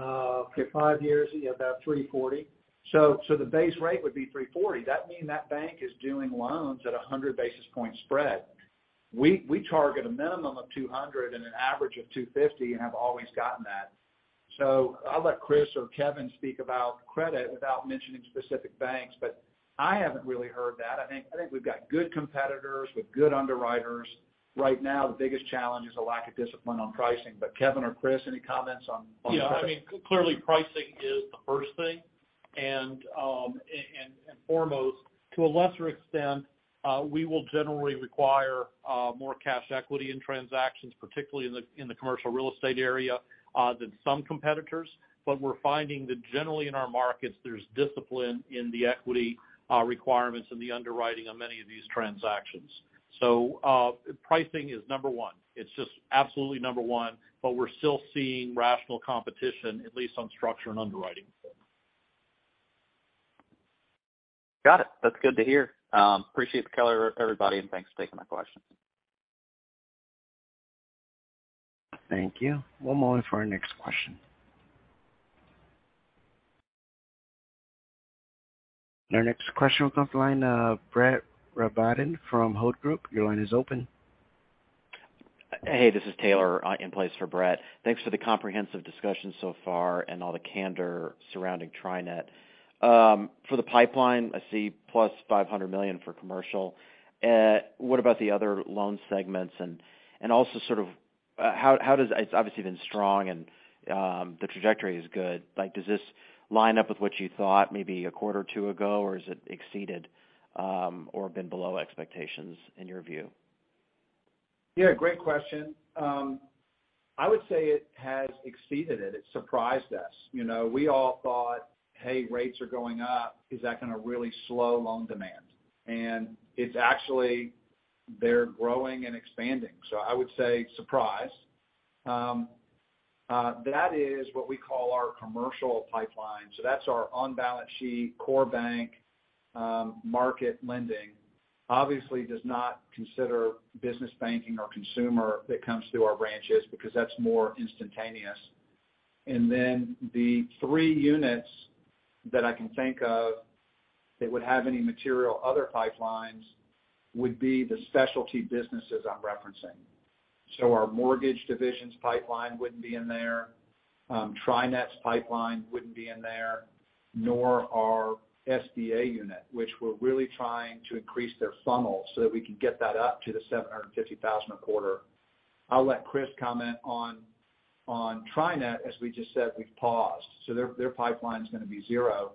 Okay, five years, about 3.40%. The base rate would be 3.40. That means that bank is doing loans at a 100 basis point spread. We target a minimum of 200 and an average of 250 and have always gotten that. I'll let Chris or Kevin speak about credit without mentioning specific banks, but I haven't really heard that. I think we've got good competitors with good underwriters. Right now, the biggest challenge is a lack of discipline on pricing. Kevin or Chris, any comments on. Yeah. I mean, clearly pricing is the first thing and foremost. To a lesser extent, we will generally require more cash equity in transactions, particularly in the commercial real estate area, than some competitors. We're finding that generally in our markets, there's discipline in the equity requirements and the underwriting on many of these transactions. Pricing is number one. It's just absolutely number one, but we're still seeing rational competition, at least on structure and underwriting. Got it. That's good to hear. Appreciate the color, everybody, and thanks for taking my questions. Thank you. One moment for our next question. Our next question comes from the line of Brett Rabatin from Hovde Group. Your line is open. Hey, this is Taylor in place for Brett. Thanks for the comprehensive discussion so far and all the candor surrounding TriNet. For the pipeline, I see +$500 million for commercial. What about the other loan segments? Also sort of, how does. It's obviously been strong and the trajectory is good. Like, does this line up with what you thought maybe a quarter or two ago, or is it exceeded, or been below expectations in your view? Yeah, great question. I would say it has exceeded it. It surprised us. You know, we all thought, hey, rates are going up. Is that going to really slow loan demand? It's actually, they're growing and expanding. I would say surprise. That is what we call our commercial pipeline. That's our on-balance sheet, core bank, market lending. Obviously does not consider business banking or consumer that comes through our branches because that's more instantaneous. Then the three units that I can think of that would have any material other pipelines would be the specialty businesses I'm referencing. Our mortgage divisions pipeline wouldn't be in there. TriNet's pipeline wouldn't be in there, nor our SBA unit, which we're really trying to increase their funnel so that we can get that up to $750,000 a quarter. I'll let Chris comment on TriNet. As we just said, we've paused. Their pipeline's gonna be zero.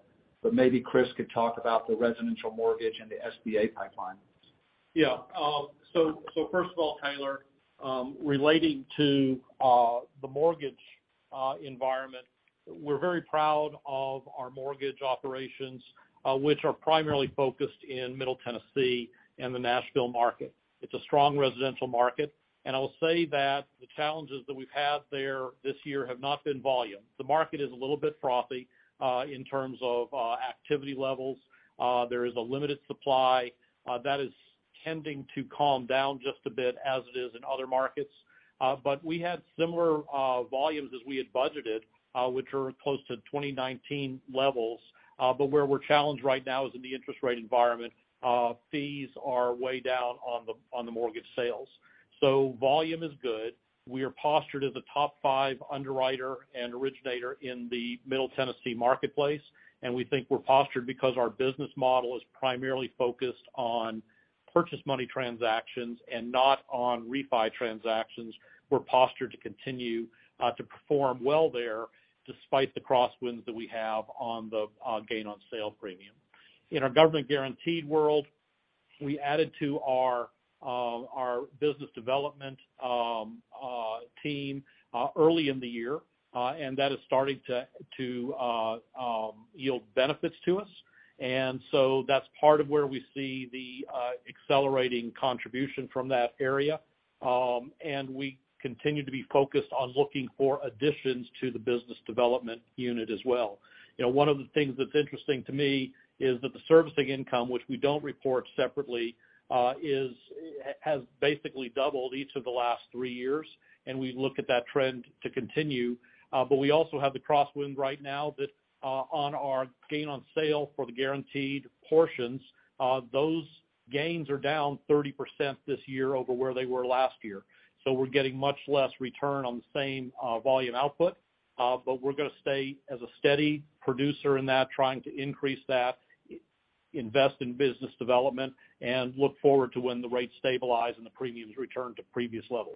Maybe Chris could talk about the residential mortgage and the SBA pipelines. Yeah. First of all, Taylor, relating to the mortgage environment, we're very proud of our mortgage operations, which are primarily focused in Middle Tennessee and the Nashville market. It's a strong residential market. I'll say that the challenges that we've had there this year have not been volume. The market is a little bit frothy in terms of activity levels. There is a limited supply that is tending to calm down just a bit as it is in other markets. We had similar volumes as we had budgeted, which are close to 2019 levels. Where we're challenged right now is in the interest rate environment. Fees are way down on the mortgage sales. Volume is good. We are postured as a top five underwriter and originator in the Middle Tennessee marketplace, and we think we're postured because our business model is primarily focused on purchase money transactions and not on refi transactions. We're postured to continue to perform well there despite the crosswinds that we have on the gain on sale premium. In our government guaranteed world, we added to our business development team early in the year, and that is starting to yield benefits to us. That's part of where we see the accelerating contribution from that area. We continue to be focused on looking for additions to the business development unit as well. You know, one of the things that's interesting to me is that the servicing income, which we don't report separately, has basically doubled each of the last three years, and we look at that trend to continue. But we also have the crosswind right now that on our gain on sale for the guaranteed portions, those gains are down 30% this year over where they were last year. We're getting much less return on the same volume output, but we're gonna stay as a steady producer in that, trying to increase that, invest in business development, and look forward to when the rates stabilize and the premiums return to previous levels.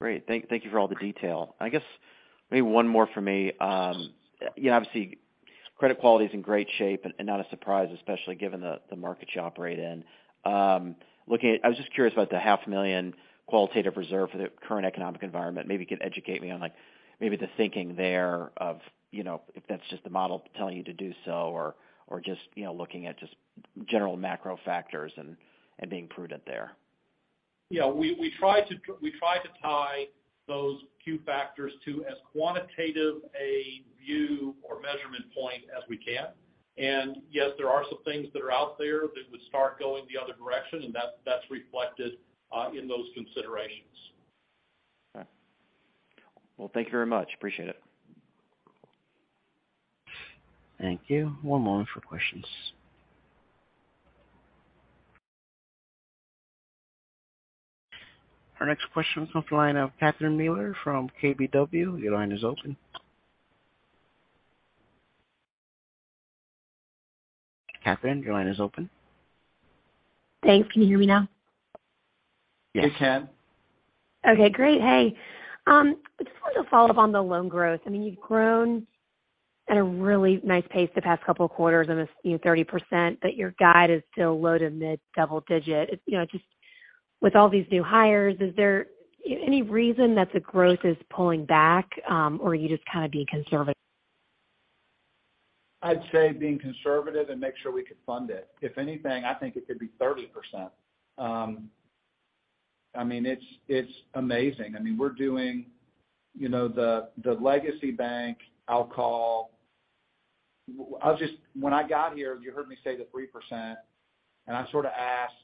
Great. Thank you for all the detail. I guess maybe one more for me. You know, obviously credit quality is in great shape and not a surprise, especially given the market you operate in. Looking at—I was just curious about the $0.5 million qualitative reserve for the current economic environment. Maybe you could educate me on, like, maybe the thinking there of, you know, if that's just the model telling you to do so or just, you know, looking at just general macro factors and being prudent there. Yeah, we try to tie those few factors to as quantitative a view or measurement point as we can. Yes, there are some things that are out there that would start going the other direction, and that's reflected in those considerations. All right. Well, thank you very much. Appreciate it. Thank you. One moment for questions. Our next question comes from the line of Catherine Mealor from KBW. Your line is open. Catherine, your line is open. Thanks. Can you hear me now? Yes. We can. Okay, great. Hey, I just wanted to follow up on the loan growth. I mean, you've grown at a really nice pace the past couple of quarters on this, you know, 30%, but your guide is still low to mid-double digit. It's, you know, just with all these new hires, is there any reason that the growth is pulling back, or are you just kind of being conservative? I'd say being conservative and make sure we could fund it. If anything, I think it could be 30%. I mean, it's amazing. I mean, we're doing the legacy bank when I got here, you heard me say the 3%, and I sort of asked,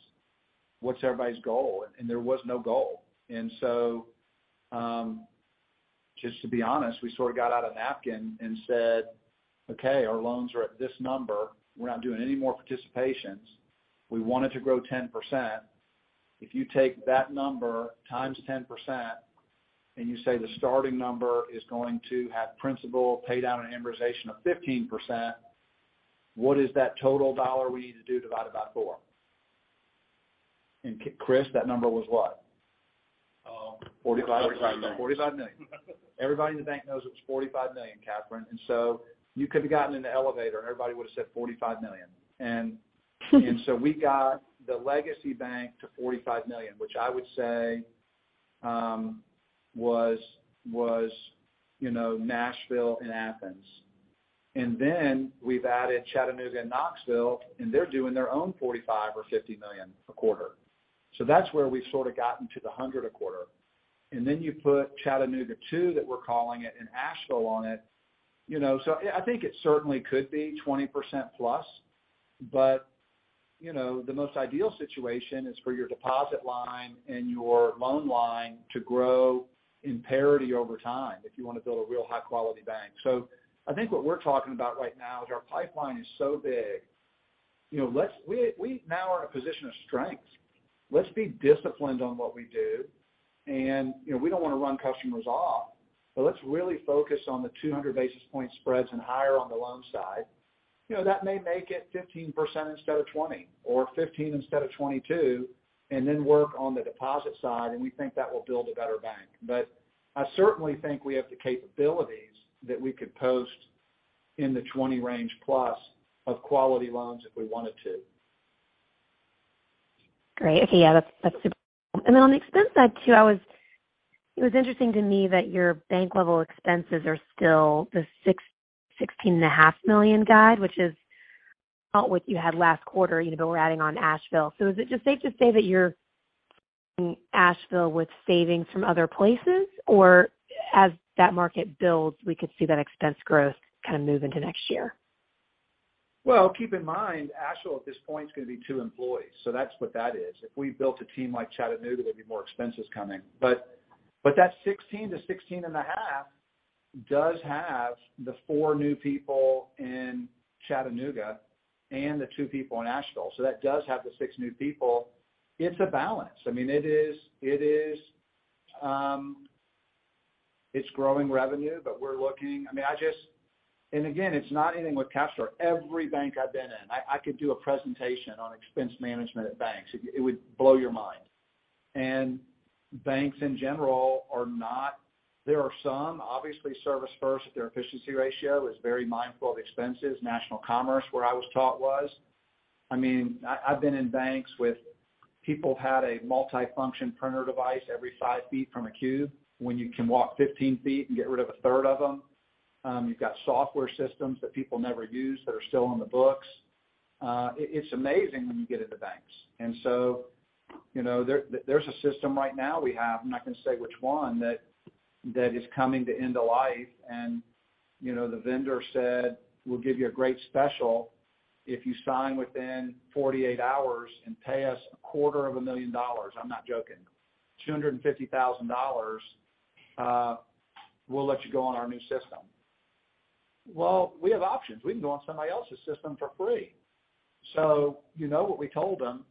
what's everybody's goal? There was no goal. Just to be honest, we sort of got out a napkin and said, Okay, our loans are at this number. We're not doing any more participations. We want it to grow 10%. If you take that number times 10% and you say the starting number is going to have principal pay down and amortization of 15%, what is that total dollar we need to do divided by four? Chris, that number was what? $45 million. $45 million. Everybody in the bank knows it was $45 million, Catherine. You could have gotten in the elevator and everybody would've said $45 million. We got the legacy bank to $45 million, which I would say was, you know, Nashville and Athens. Then we've added Chattanooga and Knoxville, and they're doing their own $45 or $50 million a quarter. That's where we've sort of gotten to the $100 a quarter. Then you put Chattanooga 2, that we're calling it, and Asheville on it. You know, I think it certainly could be 20%+, but, you know, the most ideal situation is for your deposit line and your loan line to grow in parity over time if you wanna build a real high-quality bank. I think what we're talking about right now is our pipeline is so big, you know, we now are in a position of strength. Let's be disciplined on what we do. You know, we don't wanna run customers off, but let's really focus on the 200 basis point spreads and higher on the loan side. You know, that may make it 15% instead of 20 or 15 instead of 22, and then work on the deposit side, and we think that will build a better bank. I certainly think we have the capabilities that we could post in the 20+ range of quality loans if we wanted to. Great. Okay. Yeah, that's super. On the expense side, too, it was interesting to me that your bank level expenses are still the $616.5 million guide, which is about what you had last quarter even though we're adding on Asheville. Is it just safe to say that you're offsetting Asheville with savings from other places? Or as that market builds, we could see that expense growth kind of move into next year? Well, keep in mind, Asheville at this point is gonna be two employees, so that's what that is. If we built a team like Chattanooga, there'd be more expenses coming. That 16-16.5 does have the four new people in Chattanooga and the two people in Asheville. So that does have the six new people. It's a balance. I mean, it is. It's growing revenue, but we're looking. I mean, again, it's not anything with CapStar. Every bank I've been in, I could do a presentation on expense management at banks. It would blow your mind. Banks in general are not. There are some, obviously, ServisFirst, their efficiency ratio is very mindful of expenses. National Commerce, where I was taught was. I mean, I've been in banks with people who had a multifunction printer device every five feet from a cubicle when you can walk 15 ft and get rid of a third of them. You've got software systems that people never use that are still on the books. It's amazing when you get into banks. You know, there's a system right now we have. I'm not gonna say which one, that is coming to end of life. You know, the vendor said, we'll give you a great special if you sign within 48 hours and pay us a quarter of a million dollars. I'm not joking. $250,000, we'll let you go on our new system. Well, we have options. We can go on somebody else's system for free. You know what we told them.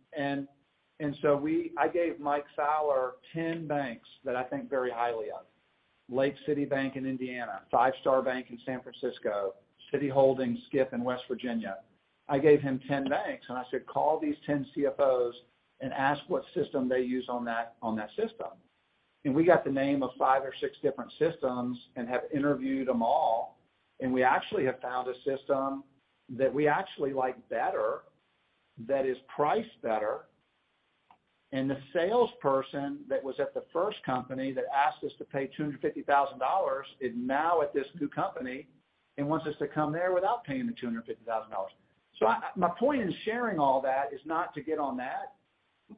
I gave Mike Fowler 10 banks that I think very highly of. Lake City Bank in Indiana, Five Star Bank in San Francisco, City Holding, Skiff in West Virginia. I gave him 10 banks, and I said, call these 10 CFOs and ask what system they use on that system. We got the name of five or six different systems and have interviewed them all. We actually have found a system that we actually like better, that is priced better. The salesperson that was at the first company that asked us to pay $250,000 is now at this new company and wants us to come there without paying the $250,000. My point in sharing all that is not to get on that.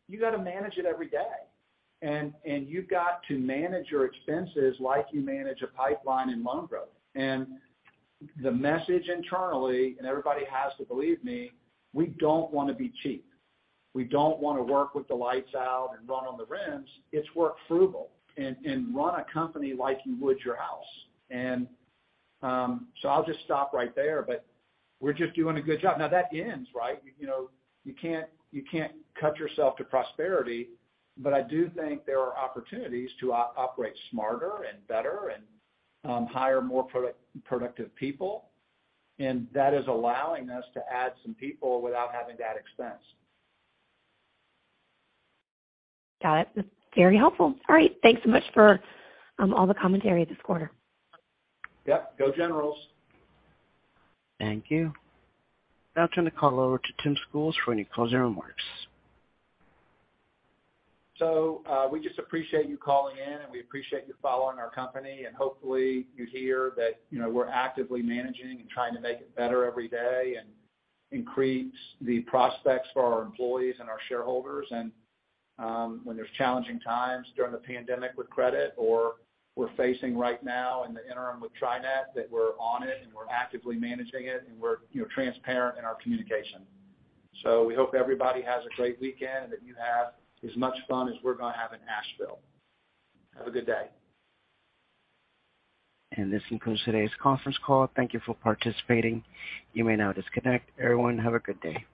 You gotta manage it every day. You've got to manage your expenses like you manage a pipeline in Monroe. The message internally, and everybody has to believe me, we don't wanna be cheap. We don't wanna work with the lights out and run on the rims. It's work frugal and run a company like you would your house. I'll just stop right there. We're just doing a good job. Now that ends, right? You know, you can't cut yourself to prosperity. I do think there are opportunities to operate smarter and better and hire more productive people. That is allowing us to add some people without having that expense. Got it. That's very helpful. All right. Thanks so much for all the commentary this quarter. Yep. Go Generals. Thank you. I'll turn the call over to Tim Schools for any closing remarks. We just appreciate you calling in, and we appreciate you following our company. When there's challenging times during the pandemic with credit or we're facing right now in the interim with TriNet, that we're on it and we're actively managing it, and we're, you know, transparent in our communication. We hope everybody has a great weekend and that you have as much fun as we're gonna have in Asheville. Have a good day. This concludes today's conference call. Thank you for participating. You may now disconnect. Everyone, have a good day.